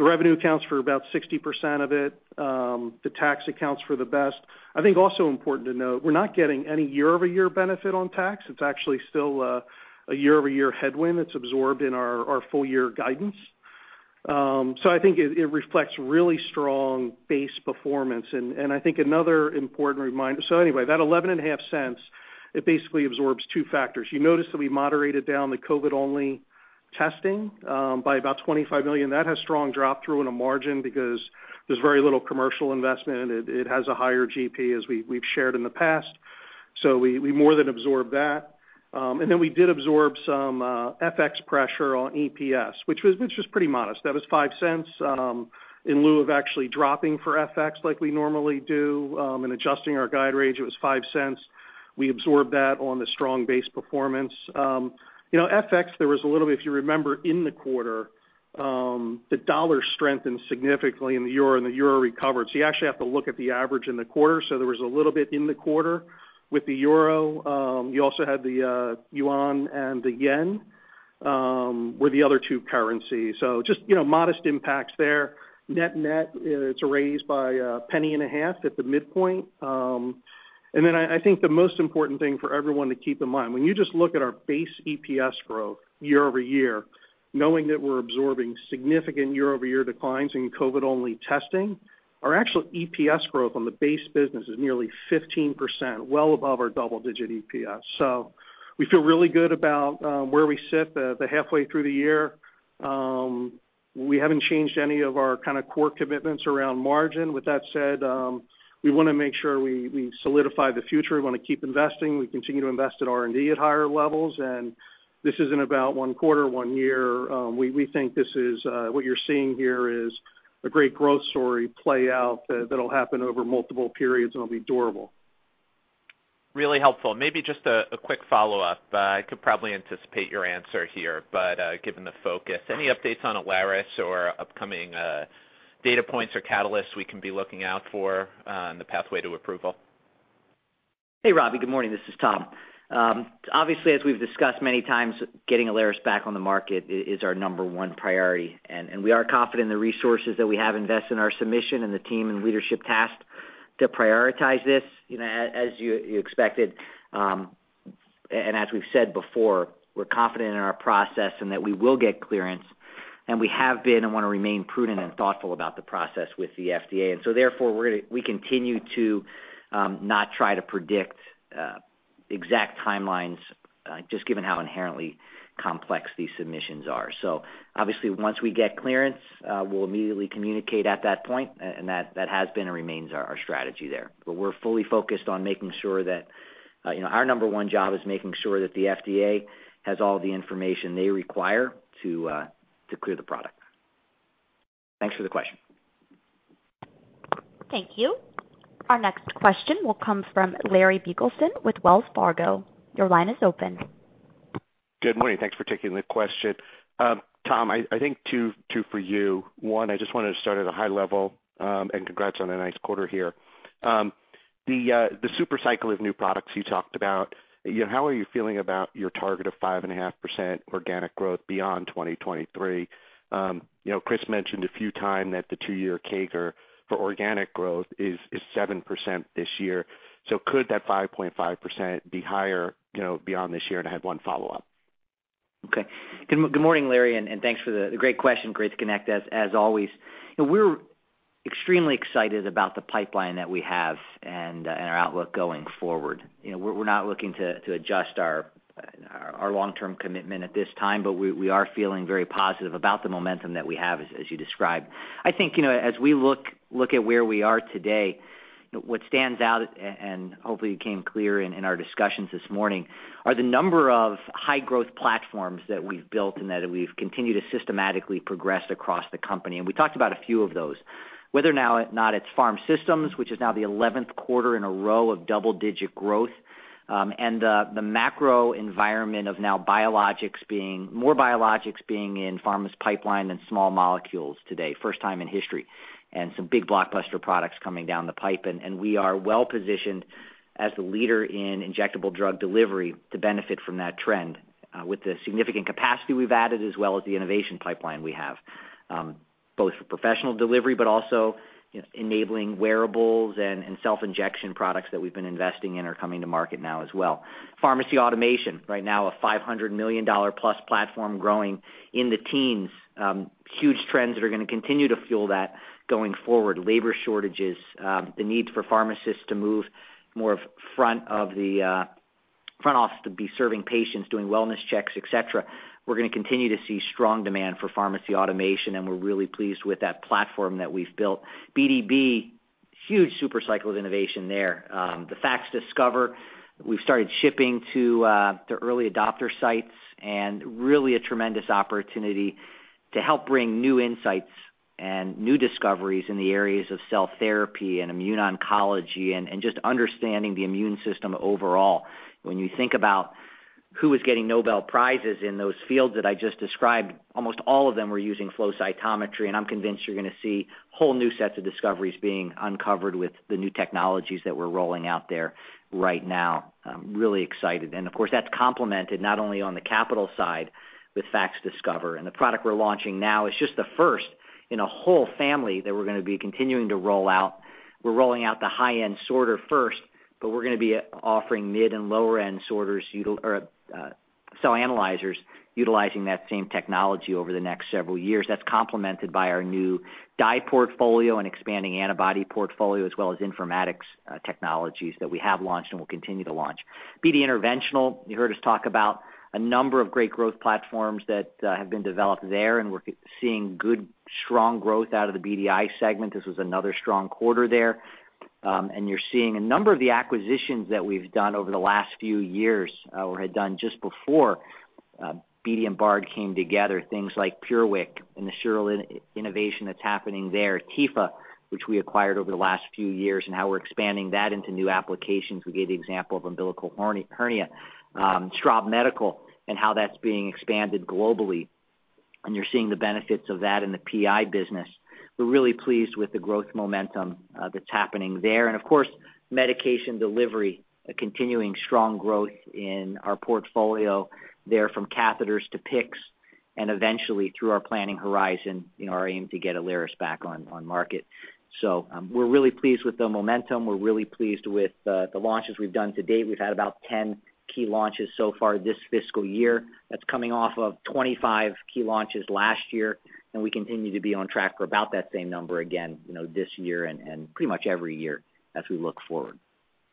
The revenue accounts for about 60% of it. The tax accounts for the best. I think also important to note, we're not getting any year-over-year benefit on tax. It's actually still a year-over-year headwind that's absorbed in our full year guidance. I think it reflects really strong base performance. I think another important reminder. Anyway, that eleven and a half cents, it basically absorbs two factors. You notice that we moderated down the COVID-only testing by about $25 million. That has strong drop through in a margin because there's very little commercial investment, and it has a higher GP as we've shared in the past. We more than absorbed that. We did absorb some FX pressure on EPS, which was pretty modest. That was $0.05 in lieu of actually dropping for FX like we normally do, and adjusting our guide range, it was $0.05. We absorbed that on the strong base performance. You know, FX, there was a little bit, if you remember in the quarter, the dollar strengthened significantly and the euro, and the euro recovered. You actually have to look at the average in the quarter. There was a little bit in the quarter with the euro. You also had the yuan and the yen were the other two currencies. Just, you know, modest impacts there. Net-net, it's a raise by a penny and a half at the midpoint. I think the most important thing for everyone to keep in mind, when you just look at our base EPS growth year-over-year, knowing that we're absorbing significant year-over-year declines in COVID-only testing, our actual EPS growth on the base business is nearly 15%, well above our double-digit EPS. We feel really good about where we sit the halfway through the year. We haven't changed any of our kinda core commitments around margin. With that said, we wanna make sure we solidify the future, we wanna keep investing, we continue to invest at R&D at higher levels, and this isn't about one quarter, one year. We think this is what you're seeing here is a great growth story play out that'll happen over multiple periods and will be durable. Really helpful. Maybe just a quick follow-up. I could probably anticipate your answer here, but, given the focus, any updates on Alaris or upcoming data points or catalysts we can be looking out for, in the pathway to approval? Hey, Robbie. Good morning. This is Tom. Obviously, as we've discussed many times, getting Alaris back on the market is our number one priority. We are confident in the resources that we have invested in our submission and the team and leadership tasked to prioritize this. You know, as you expected, and as we've said before, we're confident in our process and that we will get clearance, and we have been and wanna remain prudent and thoughtful about the process with the FDA. Therefore, we continue to not try to predict exact timelines just given how inherently complex these submissions are. Obviously, once we get clearance, we'll immediately communicate at that point, and that has been and remains our strategy there. We're fully focused on making sure that, you know, our number 1 job is making sure that the FDA has all the information they require to clear the product. Thanks for the question. Thank you. Our next question will come from Larry Biegelsen with Wells Fargo. Your line is open. Good morning. Thanks for taking the question. Tom, I think two for you. One, I just wanted to start at a high level, and congrats on a nice quarter here. The super cycle of new products you talked about, you know, how are you feeling about your target of 5.5% organic growth beyond 2023? You know, Chris mentioned a few times that the two-year CAGR for organic growth is 7% this year. Could that 5.5% be higher, you know, beyond this year? I have one follow-up. Okay. Good morning, Larry, and thanks for the great question. Great to connect as always. You know, we're extremely excited about the pipeline that we have and our outlook going forward. You know, we're not looking to adjust our long-term commitment at this time, but we are feeling very positive about the momentum that we have, as you described. I think, you know, as we look at where we are today, what stands out, and hopefully became clear in our discussions this morning, are the number of high growth platforms that we've built and that we've continued to systematically progress across the company. We talked about a few of those. Whether or not it's Pharmaceutical Systems, which is now the 11th quarter in a row of double-digit growth, and the macro environment of more biologics being in pharma's pipeline than small molecules today, first time in history, and some big blockbuster products coming down the pipe. We are well positioned as the leader in injectable drug delivery to benefit from that trend, with the significant capacity we've added as well as the innovation pipeline we have, both for professional delivery, but also, you know, enabling wearables and self-injection products that we've been investing in are coming to market now as well. Pharmacy automation, right now a $500+ million platform growing in the teens. Huge trends that are gonna continue to fuel that going forward. Labor shortages, the need for pharmacists to move more of front of the front office to be serving patients, doing wellness checks, et cetera. We're gonna continue to see strong demand for pharmacy automation, and we're really pleased with that platform that we've built. BDB, huge super cycle of innovation there. The FACSDiscover, we've started shipping to early adopter sites and really a tremendous opportunity to help bring new insights and new discoveries in the areas of cell therapy and immune oncology and just understanding the immune system overall. When you think about who is getting Nobel Prizes in those fields that I just described, almost all of them were using flow cytometry, and I'm convinced you're gonna see whole new sets of discoveries being uncovered with the new technologies that we're rolling out there right now. I'm really excited. Of course, that's complemented not only on the capital side with FACSDiscover, and the product we're launching now is just the first in a whole family that we're gonna be continuing to roll out. We're rolling out the high-end sorter first, but we're gonna be offering mid and lower end sorters or cell analyzers utilizing that same technology over the next several years. That's complemented by our new dye portfolio and expanding antibody portfolio, as well as informatics technologies that we have launched and will continue to launch. BD Interventional, you heard us talk about a number of great growth platforms that have been developed there, and we're seeing good, strong growth out of the BDI segment. This was another strong quarter there. You're seeing a number of the acquisitions that we've done over the last few years, or had done just before BD and Bard came together, things like PureWick and the Shirole innovation that's happening there. Tepha, which we acquired over the last few years and how we're expanding that into new applications. We gave the example of umbilical hernia, Straub Medical and how that's being expanded globally. You're seeing the benefits of that in the PI business. We're really pleased with the growth momentum that's happening there. Of course, medication delivery, a continuing strong growth in our portfolio there from catheters to PICCs, and eventually through our planning horizon, you know, our aim to get Alaris back on market. We're really pleased with the momentum. We're really pleased with the launches we've done to date. We've had about 10 key launches so far this fiscal year. That's coming off of 25 key launches last year, we continue to be on track for about that same number again, you know, this year and pretty much every year as we look forward.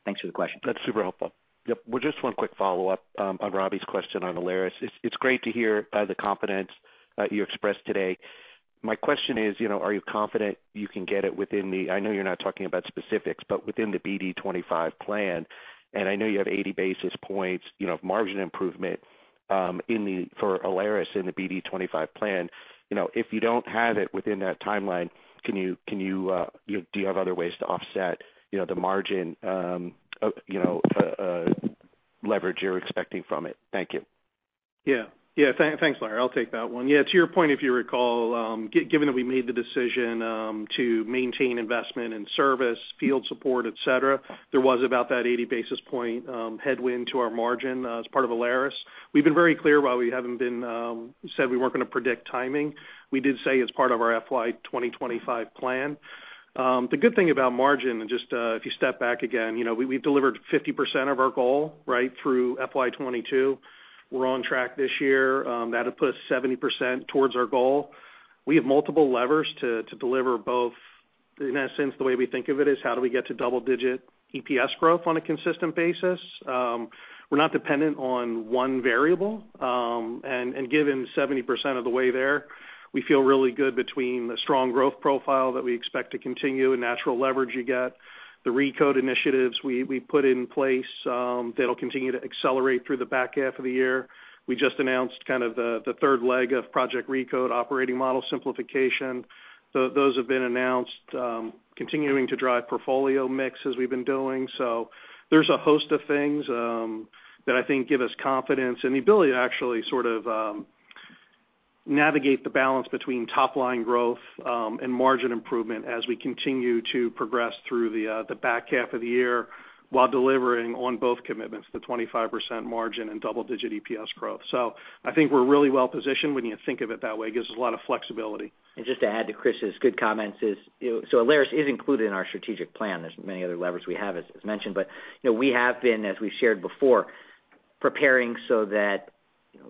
Thanks for the question. That's super helpful. Yep. Just one quick follow-up, on Robbie's question on Alaris. It's, it's great to hear, the confidence that you expressed today. My question is, you know, are you confident you can get it within the... I know you're not talking about specifics, but within the BD 2025 plan. I know you have 80 basis points, you know, of margin improvement, for Alaris in the BD 2025 plan. If you don't have it within that timeline, can you know, do you have other ways to offset, you know, the margin, of, you know, leverage you're expecting from it? Thank you. Thanks, Larry. I'll take that one. Yeah, to your point, if you recall, given that we made the decision to maintain investment in service, field support, et cetera, there was about that 80 basis point headwind to our margin as part of Alaris. We've been very clear while we haven't been said we weren't gonna predict timing. We did say it's part of our FY 2025 plan. The good thing about margin and just if you step back again, you know, we've delivered 50% of our goal, right, through FY 2022. We're on track this year. That'll put us 70% towards our goal. We have multiple levers to deliver both. In essence, the way we think of it is how do we get to double digit EPS growth on a consistent basis. We're not dependent on one variable. Given 70% of the way there, we feel really good between the strong growth profile that we expect to continue and natural leverage you get. The ReCode initiatives we put in place that'll continue to accelerate through the back half of the year. We just announced kind of the third leg of Project ReCode operating model simplification. Those have been announced, continuing to drive portfolio mix as we've been doing. There's a host of things that I think give us confidence and the ability to actually sort of. navigate the balance between top line growth and margin improvement as we continue to progress through the back half of the year while delivering on both commitments, the 25% margin and double-digit EPS growth. I think we're really well positioned when you think of it that way, it gives us a lot of flexibility. Just to add to Chris's good comments is, you know, Alaris is included in our strategic plan. There's many other levers we have, as mentioned, but, you know, we have been, as we've shared before, preparing so that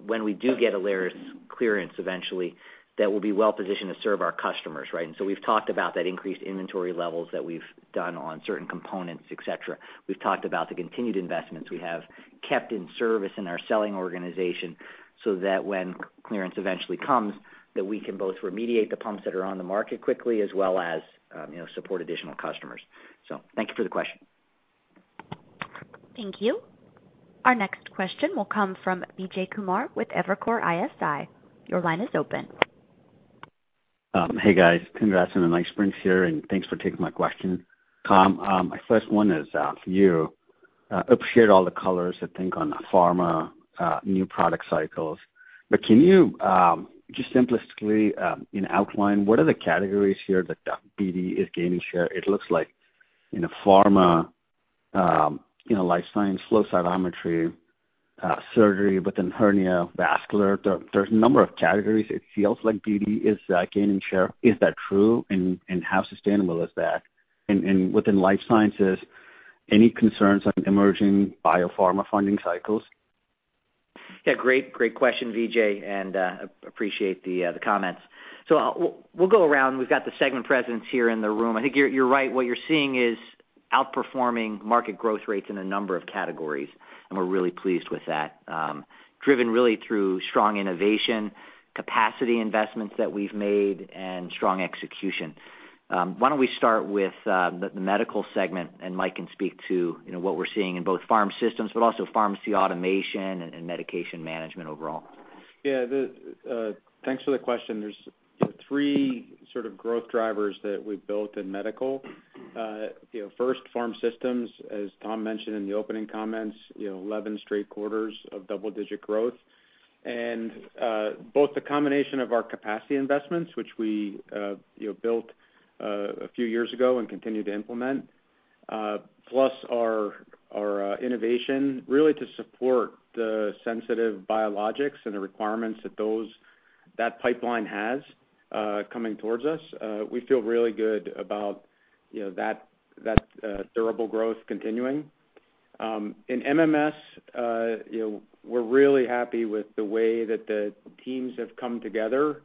when we do get Alaris clearance eventually, that we'll be well-positioned to serve our customers, right? We've talked about that increased inventory levels that we've done on certain components, et cetera. We've talked about the continued investments we have kept in service in our selling organization so that when clearance eventually comes, that we can both remediate the pumps that are on the market quickly as well as, you know, support additional customers. Thank you for the question. Thank you. Our next question will come from Vijay Kumar with Evercore ISI. Your line is open. Hey, guys. Congrats on a nice sprints year. Thanks for taking my question. Tom, my first one is for you. Appreciate all the colors, I think, on pharma, new product cycles. Can you just simplistically, you know, outline what are the categories here that BD is gaining share? It looks like in the pharma, you know, Life Sciences, flow cytometry, surgery within hernia, vascular. There's a number of categories it feels like BD is gaining share. Is that true? Within Life Sciences, any concerns on emerging biopharma funding cycles? Great, great question, Vijay, and appreciate the comments. We'll go around. We've got the segment presence here in the room. I think you're right. What you're seeing is outperforming market growth rates in a number of categories, and we're really pleased with that, driven really through strong innovation, capacity investments that we've made and strong execution. Why don't we start with the medical segment, and Mike can speak to, you know, what we're seeing in both Pharm Systems, but also pharmacy automation and medication management overall. Yeah. The thanks for the question. There's, you know, three sort of growth drivers that we've built in medical. First, you know, Pharm Systems, as Tom mentioned in the opening comments, you know, 11 straight quarters of double-digit growth. Both the combination of our capacity investments, which we, you know, built a few years ago and continue to implement, plus our innovation really to support the sensitive biologics and the requirements that pipeline has coming towards us. We feel really good about, you know, that durable growth continuing. In MMS, you know, we're really happy with the way that the teams have come together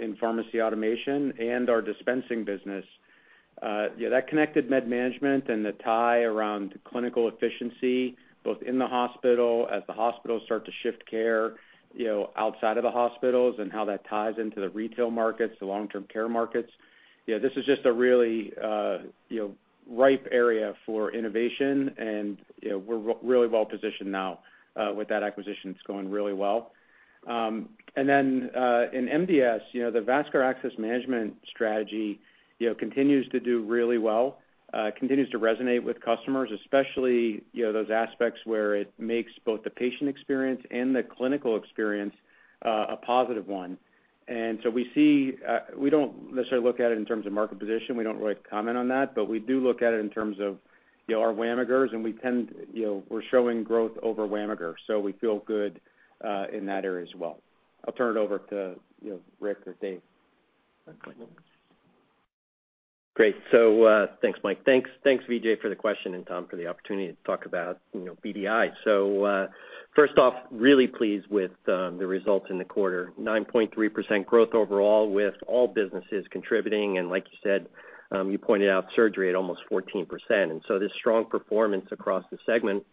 in pharmacy automation and our dispensing business. Yeah, that connected med management and the tie around clinical efficiency, both in the hospital, as the hospitals start to shift care, you know, outside of the hospitals and how that ties into the retail markets, the long-term care markets. You know, this is just a really, you know, ripe area for innovation, and, you know, we're really well positioned now with that acquisition. It's going really well. In MDS, you know, the vascular access management strategy, you know, continues to do really well, continues to resonate with customers, especially, you know, those aspects where it makes both the patient experience and the clinical experience a positive one. We see, we don't necessarily look at it in terms of market position. We don't really comment on that, but we do look at it in terms of, you know, our WAMGR, and we tend, you know, we're showing growth over WAMGR. We feel good in that area as well. I'll turn it over to, you know, Rick or Dave. Okay. Great. Thanks, Mike. Thanks, thanks, Vijay, for the question, and Tom, for the opportunity to talk about, BDI. First off, really pleased with the results in the quarter. 9.3% growth overall with all businesses contributing. Like you said, you pointed out surgery at almost 14%. This strong performance across the segment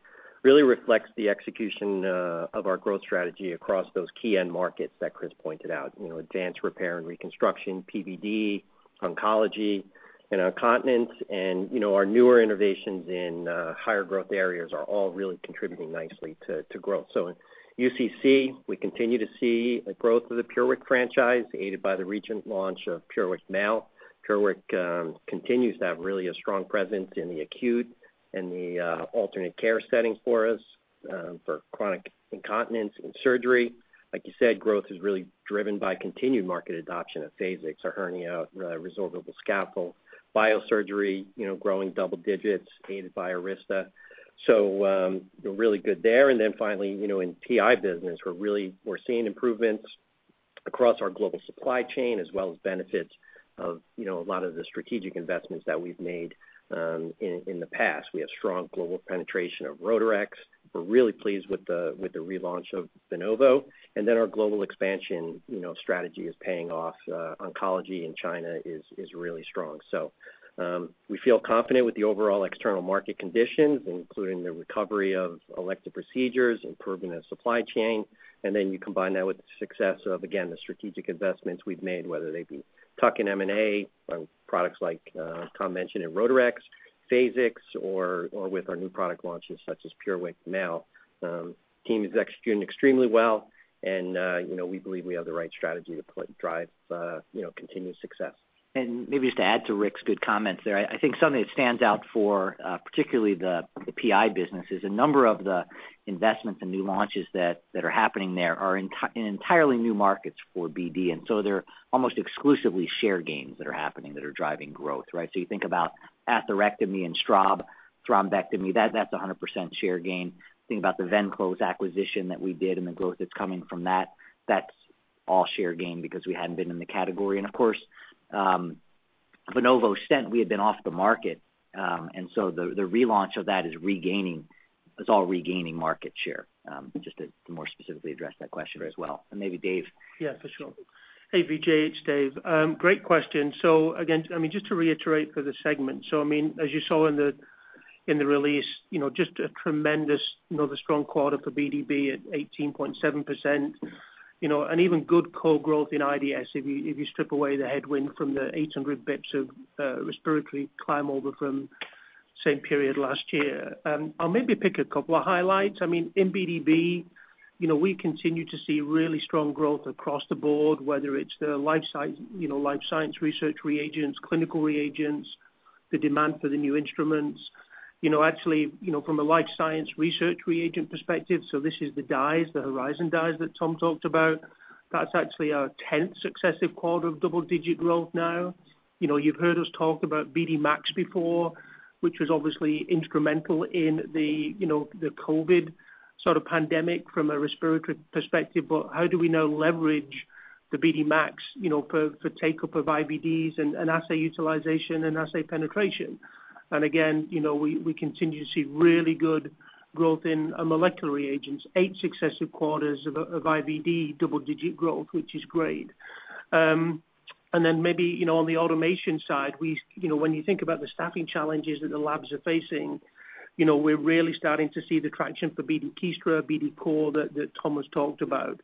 really reflects the execution of our growth strategy across those key end markets that Chris pointed out. Advanced repair and reconstruction, PVD, oncology, incontinence, and our newer innovations in higher growth areas are all really contributing nicely to growth. In UCC, we continue to see the growth of the Purewick franchise, aided by the recent launch of Purewick Mal. PureWick continues to have really a strong presence in the acute and the alternate care setting for us, for chronic incontinence and surgery. Like you said, growth is really driven by continued market adoption of Phasix, our hernia resorbable scalpel. Biosurgery, you know, growing double digits aided by Arista. Really good there. Finally, you know, in PI business, we're really seeing improvements across our global supply chain as well as benefits of, you know, a lot of the strategic investments that we've made in the past. We have strong global penetration of Rotarex. We're really pleased with the relaunch of Venovo. Our global expansion, you know, strategy is paying off. Oncology in China is really strong. We feel confident with the overall external market conditions, including the recovery of elective procedures, improvement of supply chain. You combine that with the success of, again, the strategic investments we've made, whether they be tuck-in M&A on products like Tom mentioned in Rotarex, Phasix, or with our new product launches such as PureWick now. Team is executing extremely well and, you know, we believe we have the right strategy to put drive, you know, continued success. Maybe just to add to Rick's good comments there. I think something that stands out for particularly the PI business is a number of the investments and new launches that are happening there are in entirely new markets for BD, so they're almost exclusively share gains that are happening, that are driving growth, right? You think about atherectomy and thrombectomy, that's 100% share gain. Think about the Venclose acquisition that we did and the growth that's coming from that. That's All share gain because we hadn't been in the category. Of course, Venovo Stent, we had been off the market, the relaunch of that is all regaining market share, just to more specifically address that question as well. Maybe Dave. Yeah, for sure. Hey, Vijay, it's Dave. Great question. again, I mean, just to reiterate for the segment, I mean, as you saw in the, in the release, you know, just a tremendous, another strong quarter for BDB at 18.7%, you know, and even good core growth in IDS, if you, if you strip away the headwind from the 800 basis points of respiratory climb over from same period last year. I'll maybe pick a couple of highlights. I mean, in BDB, you know, we continue to see really strong growth across the board, whether it's the Life Sciences, you know, Life Sciences research reagents, clinical reagents, the demand for the new instruments. You know, actually, you know, from a Life Sciences research reagent perspective, this is the dyes, the BD Horizon dyes that Tom talked about. That's actually our 10th successive quarter of double-digit growth now. You know, you've heard us talk about BD MAX before, which was obviously instrumental in the, you know, the COVID sort of pandemic from a respiratory perspective. How do we now leverage the BD MAX, you know, for take up of IBDs and assay utilization and assay penetration? Again, you know, we continue to see really good growth in molecular reagents, eight successive quarters of IVD double-digit growth, which is great. Maybe, you know, on the automation side, we, you know, when you think about the staffing challenges that the labs are facing, you know, we're really starting to see the traction for BD Kiestra, BD COR that Tom has talked about.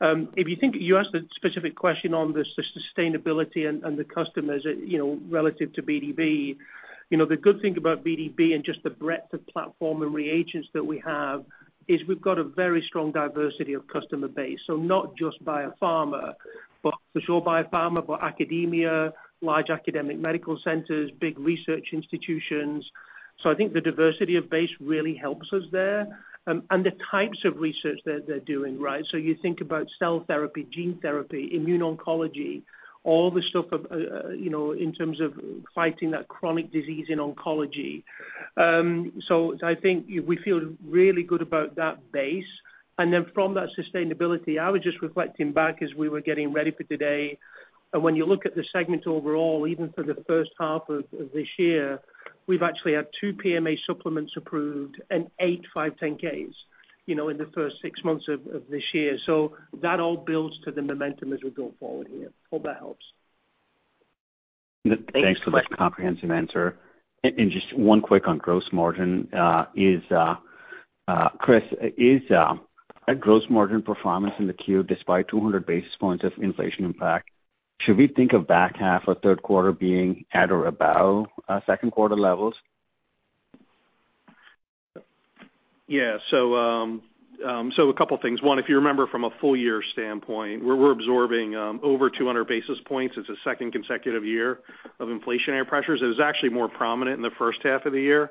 If you asked a specific question on the sustainability and the customers, you know, relative to BDB. You know, the good thing about BDB and just the breadth of platform and reagents that we have is we've got a very strong diversity of customer base. Not just biopharma, but for sure biopharma, but academia, large academic medical centers, big research institutions. I think the diversity of base really helps us there, and the types of research that they're doing, right? You think about cell therapy, gene therapy, immune oncology, all the stuff of, you know, in terms of fighting that chronic disease in oncology. I think we feel really good about that base. Then from that sustainability, I was just reflecting back as we were getting ready for today. When you look at the segment overall, even for the first half of this year, we've actually had two PMA supplements approved and eight 510(k)s, you know, in the first six months of this year. That all builds to the momentum as we go forward here. Hope that helps. Thanks for that comprehensive answer. Just one quick on gross margin. Chris, is a gross margin performance in the queue despite 200 basis points of inflation impact, should we think of back half or third quarter being at or above second quarter levels? Yeah. A couple of things. One, if you remember from a full year standpoint, we're absorbing over 200 basis points. It's the second consecutive year of inflationary pressures. It was actually more prominent in the first half of the year.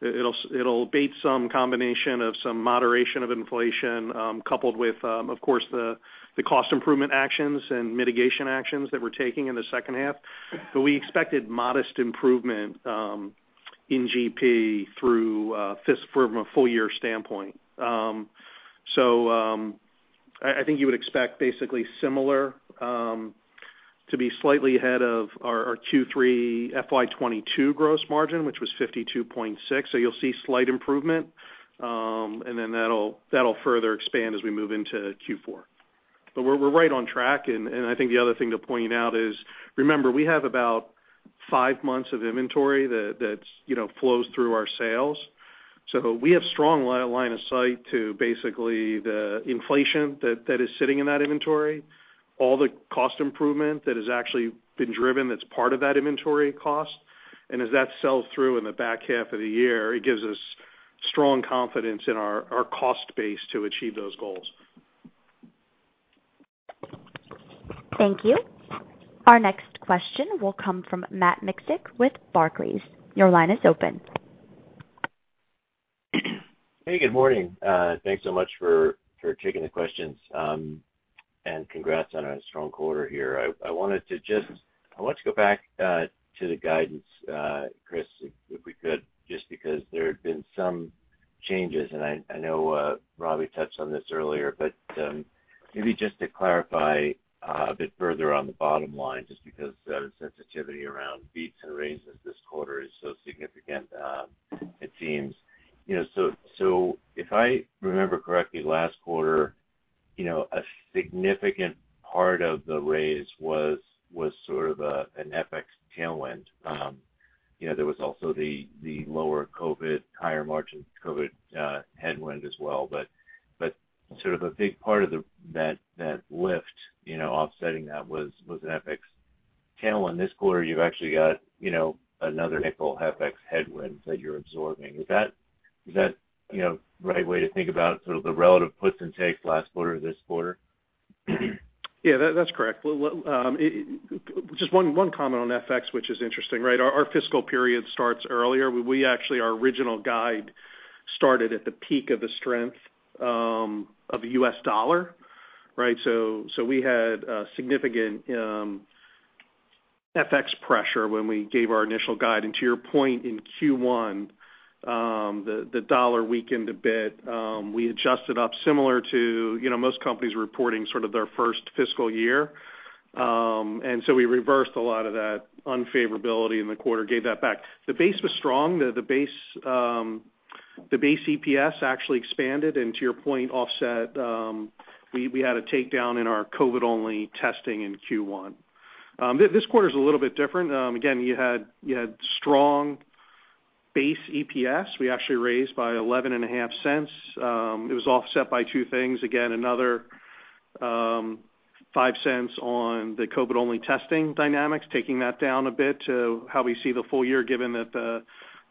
It'll bait some combination of some moderation of inflation, coupled with, of course, the cost improvement actions and mitigation actions that we're taking in the second half. We expected modest improvement in GP through from a full year standpoint. I think you would expect basically similar to be slightly ahead of our Q3 FY 2022 gross margin, which was 52.6. You'll see slight improvement, and then that'll further expand as we move into Q4. We're right on track. I think the other thing to point out is, remember, we have about five months of inventory that, you know, flows through our sales. We have strong line of sight to basically the inflation that is sitting in that inventory, all the cost improvement that has actually been driven that's part of that inventory cost. As that sells through in the back half of the year, it gives us strong confidence in our cost base to achieve those goals. Thank you. Our next question will come from Matt Miksic with Barclays. Your line is open. Hey, good morning. Thanks so much for taking the questions. Congrats on a strong quarter here. I want to go back to the guidance, Chris, if we could, just because there had been some changes, and I know Robbie touched on this earlier. Maybe just to clarify a bit further on the bottom line, just because the sensitivity around beats and raises this quarter is so significant, it seems. You know, so if I remember correctly, last quarter, you know, a significant part of the raise was sort of a, an FX tailwind. You know, there was also the lower COVID, higher margin COVID, headwind as well. Sort of a big part of that lift, you know, offsetting that was an FX tailwind. This quarter, you've actually got, you know, another FX headwind that you're absorbing. Is that, you know, right way to think about sort of the relative puts and takes last quarter, this quarter? Yeah, that's correct. Well, just one comment on FX, which is interesting, right? Our fiscal period starts earlier. We actually, our original guide started at the peak of the strength of the U.S. dollar, right? We had a significant FX pressure when we gave our initial guide. To your point, in Q1, the dollar weakened a bit, we adjusted up similar to, you know, most companies reporting sort of their first fiscal year. We reversed a lot of that unfavorability in the quarter, gave that back. The base was strong. The base EPS actually expanded, and to your point, offset, we had a takedown in our COVID-only testing in Q1. This quarter's a little bit different. Again, you had strong base EPS. We actually raised by $0.115. It was offset by two things. Again, another, $0.05 on the COVID-only testing dynamics, taking that down a bit to how we see the full year given that,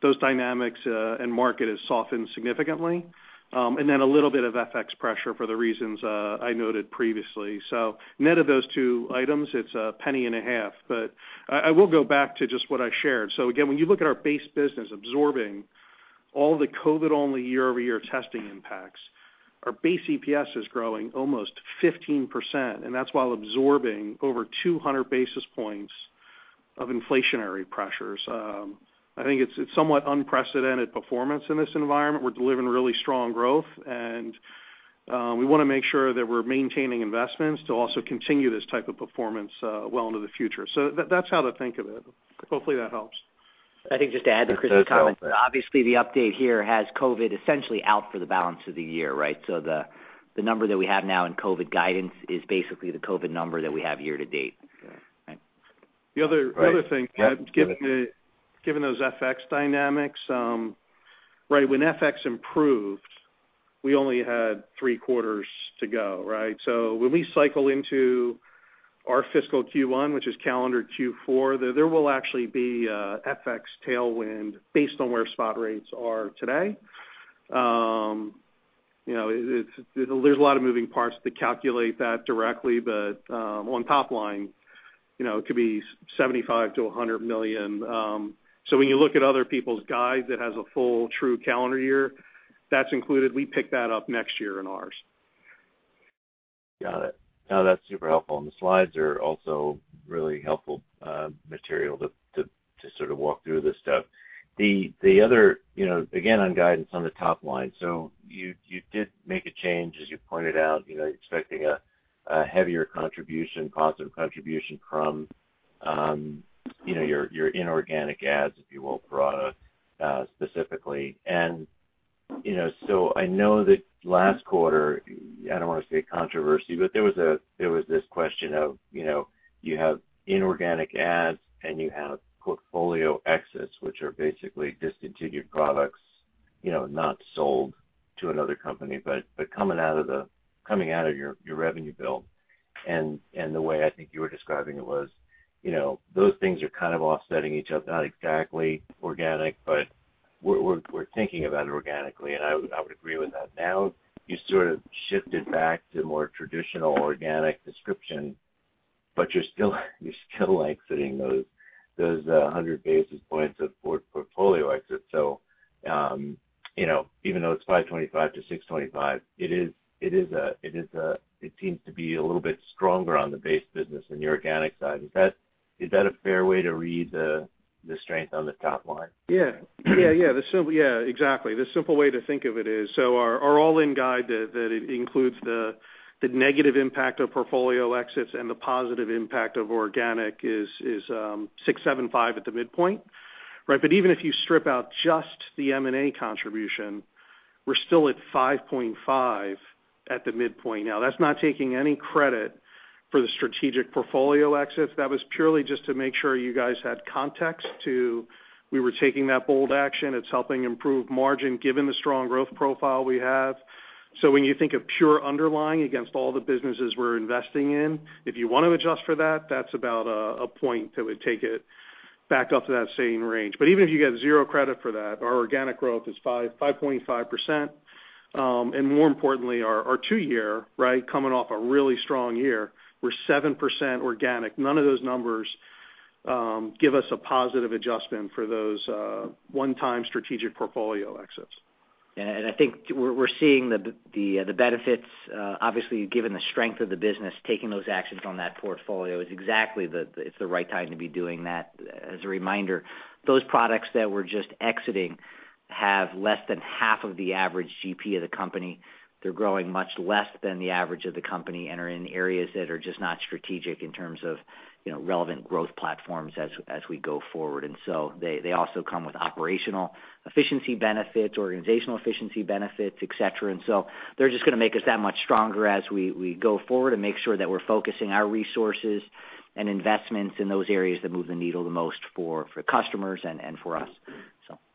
those dynamics, and market has softened significantly. A little bit of FX pressure for the reasons, I noted previously. Net of those two items, it's $0.015. I will go back to just what I shared. Again, when you look at our base business absorbing all the COVID-only year-over-year testing impacts, our base EPS is growing almost 15%, and that's while absorbing over 200 basis points of inflationary pressures. I think it's somewhat unprecedented performance in this environment. We're delivering really strong growth, and, we wanna make sure that we're maintaining investments to also continue this type of performance, well into the future. That's how to think of it. Hopefully, that helps. I think just to add to Chris' comment that obviously the update here has COVID essentially out for the balance of the year, right? The number that we have now in COVID guidance is basically the COVID number that we have year to date. The other thing, given those FX dynamics, right when FX improved, we only had three quarters to go, right. When we cycle into our fiscal Q1, which is calendar Q4, there will actually be an FX tailwind based on where spot rates are today. You know, it's there's a lot of moving parts to calculate that directly, but on top line, you know, it could be $75 million to $100 million. When you look at other people's guides that has a full true calendar year, that's included. We pick that up next year in ours. Got it. No, that's super helpful. The slides are also really helpful, material to sort of walk through this stuff. The other, you know, again, on guidance on the top line, you did make a change, as you pointed out, you know, expecting a heavier contribution, positive contribution from, you know, your inorganic adds, if you will, Parata specifically. You know, so I know that last quarter, I don't wanna say controversy, but there was this question of, you know, you have inorganic adds and you have portfolio exits, which are basically discontinued products, you know, not sold to another company, but coming out of your revenue bill. The way I think you were describing it was, you know, those things are kind of offsetting each other, not exactly organic, but we're thinking about it organically, and I would, I would agree with that. Now you sort of shifted back to more traditional organic description, but you're still exiting those 100 basis points of portfolio exits. Even though it's 5.25%-6.25%, it seems to be a little bit stronger on the base business and the organic side. Is that a fair way to read the strength on the top line? Yeah. Yeah, yeah. Yeah, exactly. The simple way to think of it is, our all-in guide that includes the negative impact of portfolio exits and the positive impact of organic is 6.75% at the midpoint, right? Even if you strip out just the M&A contribution, we're still at 5.5% at the midpoint. That's not taking any credit for the strategic portfolio exits. That was purely just to make sure you guys had context to we were taking that bold action. It's helping improve margin given the strong growth profile we have. When you think of pure underlying against all the businesses we're investing in, if you wanna adjust for that's about a 1 percentage point that would take it back up to that same range. Even if you get zero credit for that, our organic growth is 5%, 5.5%. More importantly, our two-year, right, coming off a really strong year, we're 7% organic. None of those numbers give us a positive adjustment for those one-time strategic portfolio exits. I think we're seeing the benefits, obviously given the strength of the business, taking those actions on that portfolio is exactly it's the right time to be doing that. As a reminder, those products that we're just exiting have less than half of the average GP of the company. They're growing much less than the average of the company and are in areas that are just not strategic in terms of, you know, relevant growth platforms as we go forward. They also come with operational efficiency benefits, organizational efficiency benefits, et cetera. They're just gonna make us that much stronger as we go forward and make sure that we're focusing our resources and investments in those areas that move the needle the most for customers and for us.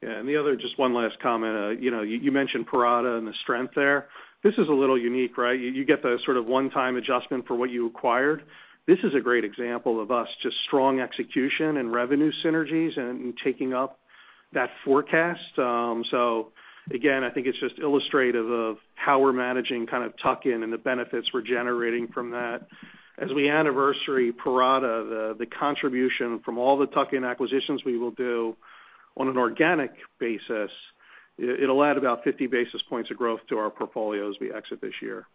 Yeah. The other, just one last comment. You know, you mentioned Parata and the strength there. This is a little unique, right? You, you get the sort of one-time adjustment for what you acquired. This is a great example of us, just strong execution and revenue synergies and taking up that forecast. Again, I think it's just illustrative of how we're managing kind of tuck-in and the benefits we're generating from that. As we anniversary Parata, the contribution from all the tuck-in acquisitions we will do on an organic basis, it'll add about 50 basis points of growth to our portfolio as we exit this year.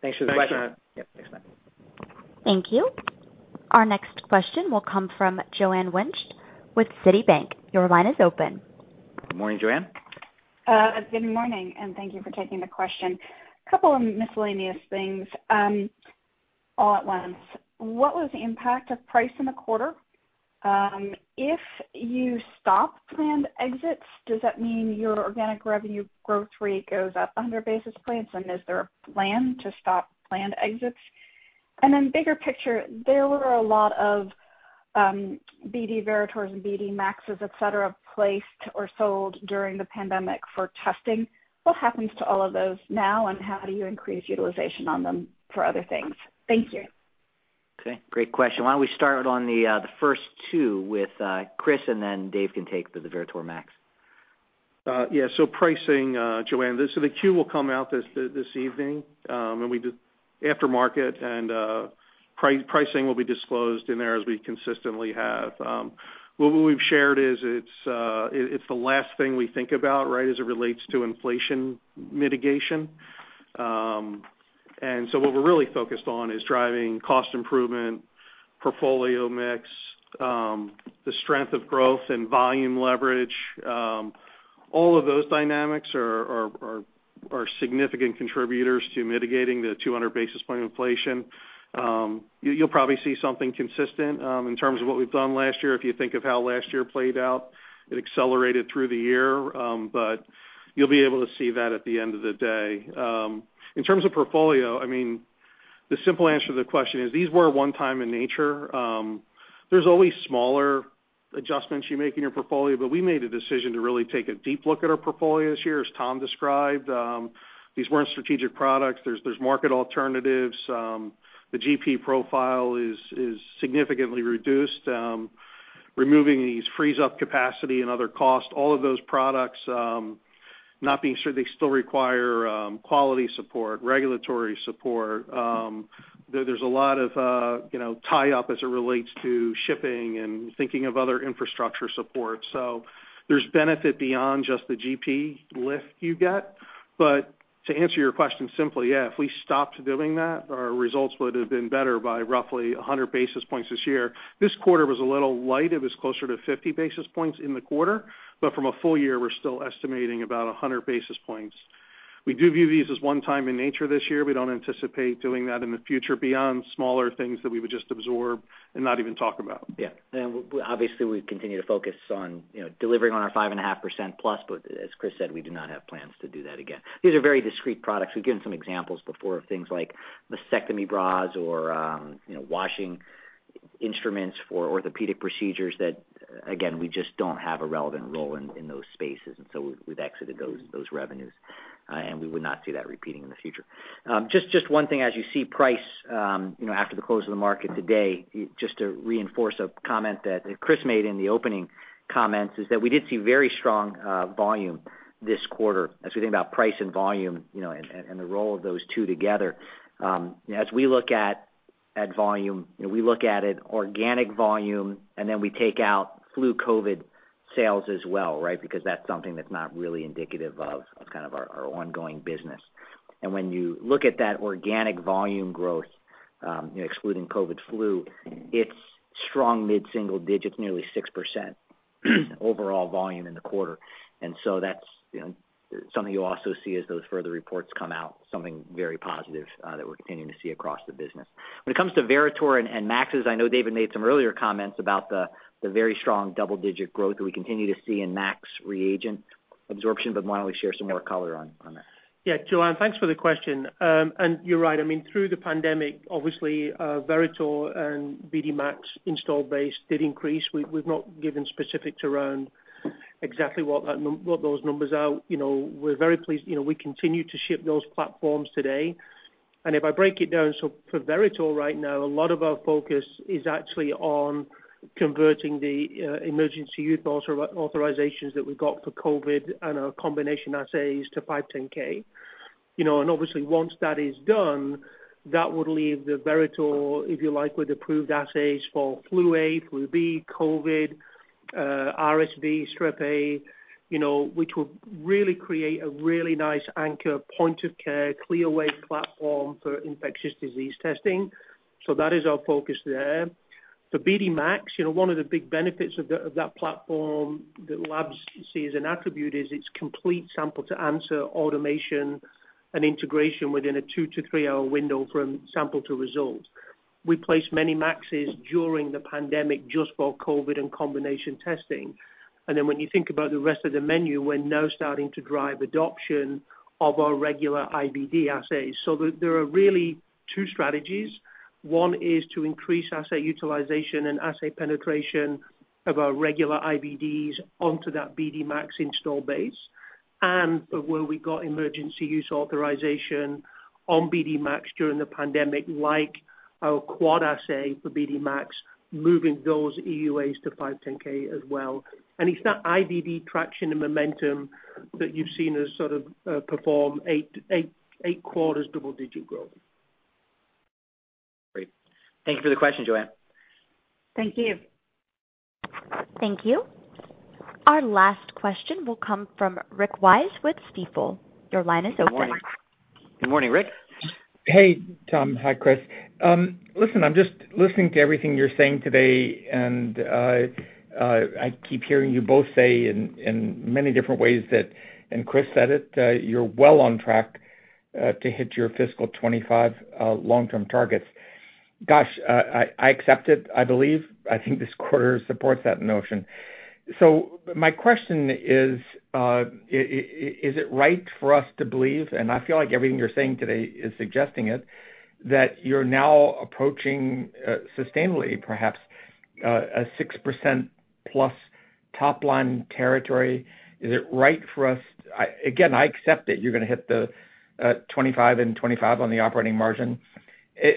Thanks for the question. Thanks, Tom. Yep. Thanks, Tom. Thank you. Our next question will come from Joanne Wuensch with Citibank. Your line is open. Good morning, Joanne. Good morning, and thank you for taking the question. A couple of miscellaneous things, all at once. What was the impact of price in the quarter? If you stop planned exits, does that mean your organic revenue growth rate goes up 100 basis points, and is there a plan to stop planned exits? Bigger picture, there were a lot of BD Veritors and BD MAXs, et cetera, placed or sold during the pandemic for testing. What happens to all of those now, and how do you increase utilization on them for other things? Thank you. Okay, great question. Why don't we start on the first two with, Chris, and then Dave can take the Veritor MAX. Pricing, Joanne. The Q will come out this evening, and we just after market, and pricing will be disclosed in there as we consistently have. What we've shared is it's the last thing we think about, right, as it relates to inflation mitigation. What we're really focused on is driving cost improvement, portfolio mix, the strength of growth and volume leverage. All of those dynamics are significant contributors to mitigating the 200 basis point inflation. You'll probably see something consistent in terms of what we've done last year. If you think of how last year played out, it accelerated through the year, you'll be able to see that at the end of the day. In terms of portfolio, I mean, the simple answer to the question is these were a one-time in nature. There's always smaller adjustments you make in your portfolio, but we made a decision to really take a deep look at our portfolio this year, as Tom described. These weren't strategic products. There's market alternatives. The GP profile is significantly reduced. Removing these frees up capacity and other costs, all of those products, not being sure they still require quality support, regulatory support. There's a lot of, you know, tie up as it relates to shipping and thinking of other infrastructure support. There's benefit beyond just the GP lift you get. To answer your question simply, yeah, if we stopped doing that, our results would have been better by roughly 100 basis points this year. This quarter was a little light. It was closer to 50 basis points in the quarter. From a full year, we're still estimating about 100 basis points. We do view these as one time in nature this year. We don't anticipate doing that in the future beyond smaller things that we would just absorb and not even talk about. Yeah. Obviously, we continue to focus on, you know, delivering on our 5.5%+. As Chris said, we do not have plans to do that again. These are very discreet products. We've given some examples before of things like mastectomy bras or, you know, washing instruments for orthopedic procedures that, again, we just don't have a relevant role in those spaces. So we've exited those revenues. We would not see that repeating in the future. Just one thing as you see price, you know, after the close of the market today, just to reinforce a comment that Chris made in the opening comments is that we did see very strong volume this quarter as we think about price and volume, you know, and the role of those two together. As we look at volume, you know, we look at it organic volume, and then we take out flu COVID sales as well, right? Because that's something that's not really indicative of kind of our ongoing business. When you look at that organic volume growth, you know, excluding COVID flu, it's strong mid-single digits, nearly 6% overall volume in the quarter. That's, you know, something you'll also see as those further reports come out, something very positive that we're continuing to see across the business. When it comes to Veritor and MAX, as I know Dave made some earlier comments about the very strong double-digit growth that we continue to see in MAX reagent absorption, but why don't we share some more color on that? Yeah, Joanne, thanks for the question. you're right. I mean, through the pandemic, obviously, Veritor and BD MAX install base did increase. We've not given specifics around exactly what those numbers are. You know, we're very pleased. You know, we continue to ship those platforms today. If I break it down, so for Veritor right now, a lot of our focus is actually on converting the emergency use authorizations that we got for COVID and our combination assays to 510(k). You know, and obviously once that is done, that would leave the Veritor, if you like, with approved assays for flu A, flu B, COVID, RSV, Strep A, you know, which would really create a really nice anchor point of care, clear way platform for infectious disease testing. That is our focus there. For BD MAX, you know, one of the big benefits of that platform that labs see as an attribute is its complete sample to answer automation and integration within a 2 to 3-hour window from sample to result. We place many MAXs during the pandemic just for COVID and combination testing. When you think about the rest of the menu, we're now starting to drive adoption of our regular IBD assays. There are really two strategies. One is to increase assay utilization and assay penetration of our regular IBDs onto that BD MAX install base. Where we got emergency use authorization on BD MAX during the pandemic, like our quad assay for BD MAX, moving those EUAs to 510(k) as well. It's that IBD traction and momentum that you've seen us sort of, perform 8, 8 quarters double-digit growth. Great. Thank you for the question, Joanne. Thank you. Thank you. Our last question will come from Rick Wise with Stifel. Your line is open. Good morning, Rick. Hey, Tom. Hi, Chris. Listen, I'm just listening to everything you're saying today, I keep hearing you both say in many different ways that, and Chris said it, that you're well on track to hit your fiscal 25 long-term targets. Gosh, I accept it, I believe. I think this quarter supports that notion. My question is it right for us to believe, and I feel like everything you're saying today is suggesting it, that you're now approaching sustainably perhaps a 6%+ top-line territory? Is it right for us... Again, I accept that you're gonna hit the 25 in 25 on the operating margin.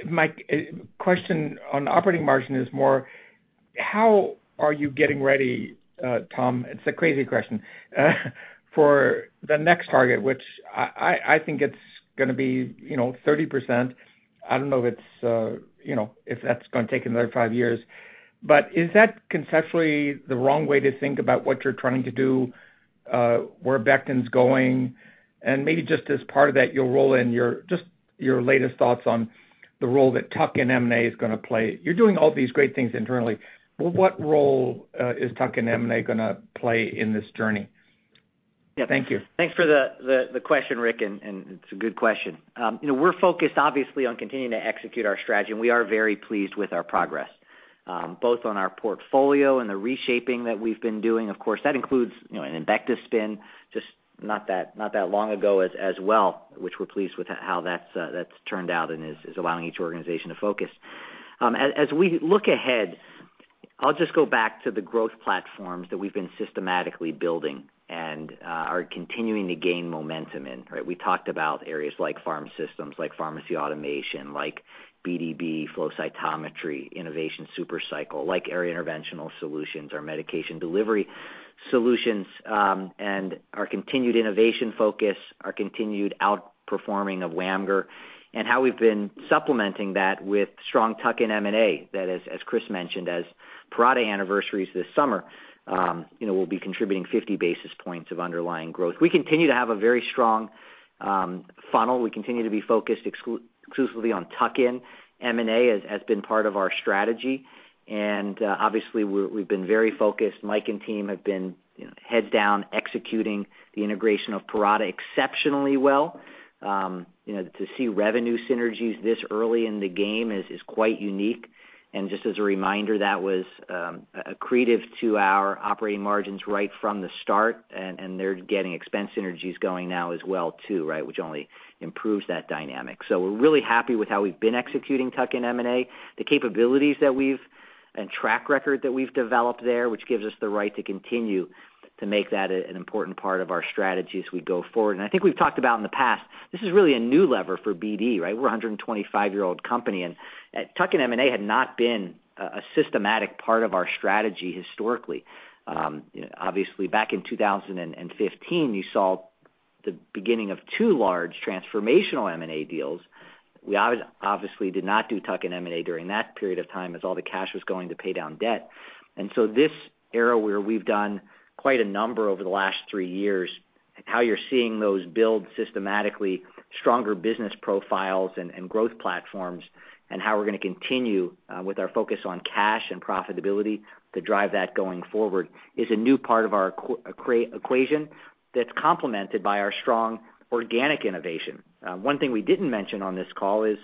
My question on operating margin is more how are you getting ready, Tom, it's a crazy question, for the next target, which I think it's gonna be, you know, 30%. I don't know if it's, you know, if that's gonna take another five years. Is that conceptually the wrong way to think about what you're trying to do, where Becton's going? Maybe just as part of that, your role and just your latest thoughts on the role that tuck-in M&A is gonna play? You're doing all these great things internally. Well, what role is tuck-in M&A gonna play in this journey? Thank you. Thanks for the question, Rick, it's a good question. You know, we're focused obviously on continuing to execute our strategy, we are very pleased with our progress, both on our portfolio and the reshaping that we've been doing. Of course, that includes, you know, an Embecta spin just not that long ago as well, which we're pleased with how that's turned out and is allowing each organization to focus. As we look ahead, I'll just go back to the growth platforms that we've been systematically building and are continuing to gain momentum in, right? We talked about areas like Pharmaceutical Systems, like pharmacy automation, like BDB, flow cytometry, innovation super cycle, like area interventional solutions or medication delivery solutions, and our continued innovation focus, our continued outperforming of WAMGR, and how we've been supplementing that with strong tuck-in M&A that as Chris mentioned, as Parata anniversaries this summer, you know, we'll be contributing 50 basis points of underlying growth. We continue to have a very strong funnel. We continue to be focused exclusively on tuck-in M&A as been part of our strategy. Obviously, we've been very focused. Mike and team have been, you know, heads down executing the integration of Parata exceptionally well. You know, to see revenue synergies this early in the game is quite unique. Just as a reminder, that was accretive to our operating margins right from the start, and they're getting expense synergies going now as well too, right? Only improves that dynamic. We're really happy with how we've been executing tuck-in M&A, the capabilities that we've, and track record that we've developed there, which gives us the right to continue to make that an important part of our strategy as we go forward. I think we've talked about in the past, this is really a new lever for BD, right? We're a 125-year-old company, and tuck-in M&A had not been a systematic part of our strategy historically. Obviously back in 2015, you saw the beginning of 2 large transformational M&A deals. We obviously did not do tuck-in M&A during that period of time as all the cash was going to pay down debt. This era where we've done quite a number over the last three years, how you're seeing those build systematically stronger business profiles and growth platforms and how we're gonna continue with our focus on cash and profitability to drive that going forward is a new part of our equation that's complemented by our strong organic innovation. One thing we didn't mention on this call is,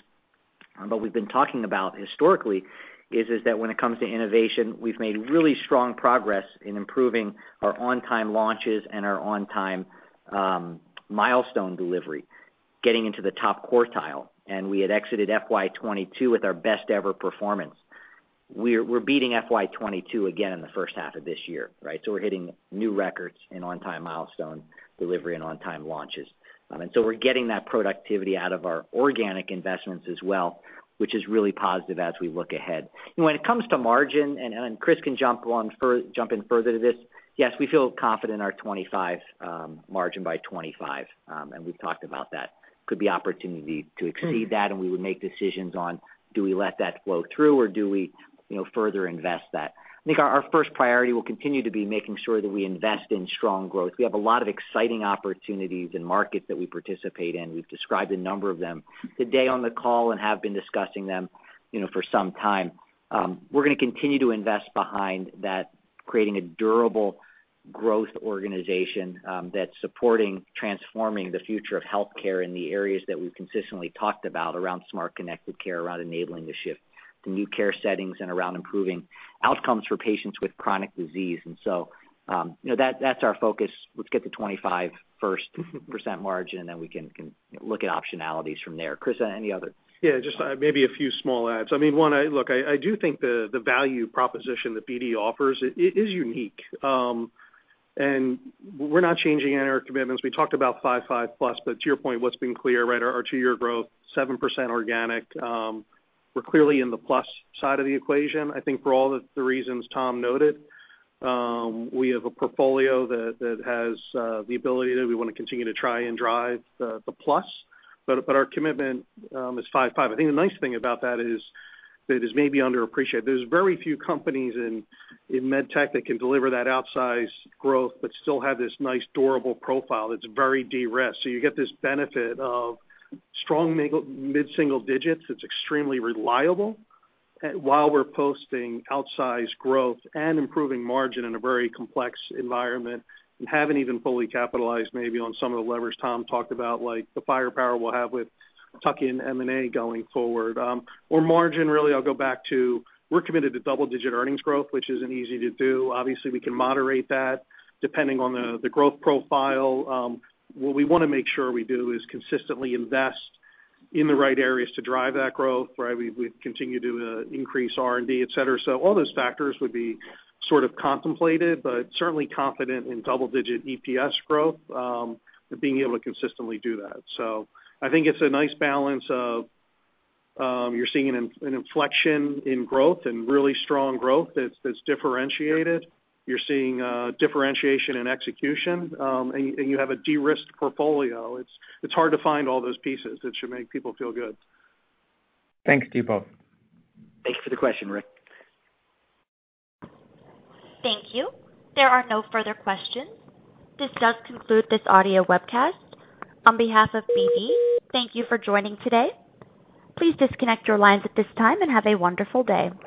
but we've been talking about historically, is that when it comes to innovation, we've made really strong progress in improving our on time launches and our on time milestone delivery, getting into the top quartile, and we had exited FY 2022 with our best ever performance. We're beating FY 2022 again in the first half of this year, right? We're hitting new records in on time milestone delivery and on time launches. We're getting that productivity out of our organic investments as well, which is really positive as we look ahead. When it comes to margin, and Chris can jump in further to this. Yes, we feel confident our 25 margin by 25, and we've talked about that. Could be opportunity to exceed that, we would make decisions on do we let that flow through or do we, you know, further invest that? I think our first priority will continue to be making sure that we invest in strong growth. We have a lot of exciting opportunities in markets that we participate in. We've described a number of them today on the call and have been discussing them, you know, for some time. We're gonna continue to invest behind that, creating a durable growth organization, that's supporting transforming the future of healthcare in the areas that we've consistently talked about around smart connected care, around enabling the shift to new care settings and around improving outcomes for patients with chronic disease. You know, that's our focus. Let's get to 25 first percent margin, and then we can look at optionalities from there. Chris, any other? Yeah, just maybe a few small adds. I mean, one, I do think the value proposition that BD offers is unique. We're not changing in our commitments. We talked about 5+, to your point, what's been clear, right, our two-year growth, 7% organic. We're clearly in the plus side of the equation, I think for all the reasons Tom noted. We have a portfolio that has the ability that we wanna continue to try and drive the plus, our commitment is 5. I think the nice thing about that is that is maybe underappreciated. There's very few companies in med tech that can deliver that outsized growth but still have this nice durable profile that's very de-risked. You get this benefit of strong mid-single digits that's extremely reliable, while we're posting outsized growth and improving margin in a very complex environment and haven't even fully capitalized maybe on some of the levers Tom talked about, like the firepower we'll have with tuck-in M&A going forward. Margin, really, I'll go back to we're committed to double-digit earnings growth, which isn't easy to do. Obviously, we can moderate that depending on the growth profile. What we wanna make sure we do is consistently invest in the right areas to drive that growth, right? We continue to increase R&D, et cetera. All those factors would be sort of contemplated, but certainly confident in double-digit EPS growth, being able to consistently do that. I think it's a nice balance of, you're seeing an inflection in growth and really strong growth that's differentiated. You're seeing differentiation in execution, and you have a de-risked portfolio. It's hard to find all those pieces that should make people feel good. Thanks to you both. Thanks for the question, Rick. Thank you. There are no further questions. This does conclude this audio webcast. On behalf of BD, thank you for joining today. Please disconnect your lines at this time and have a wonderful day.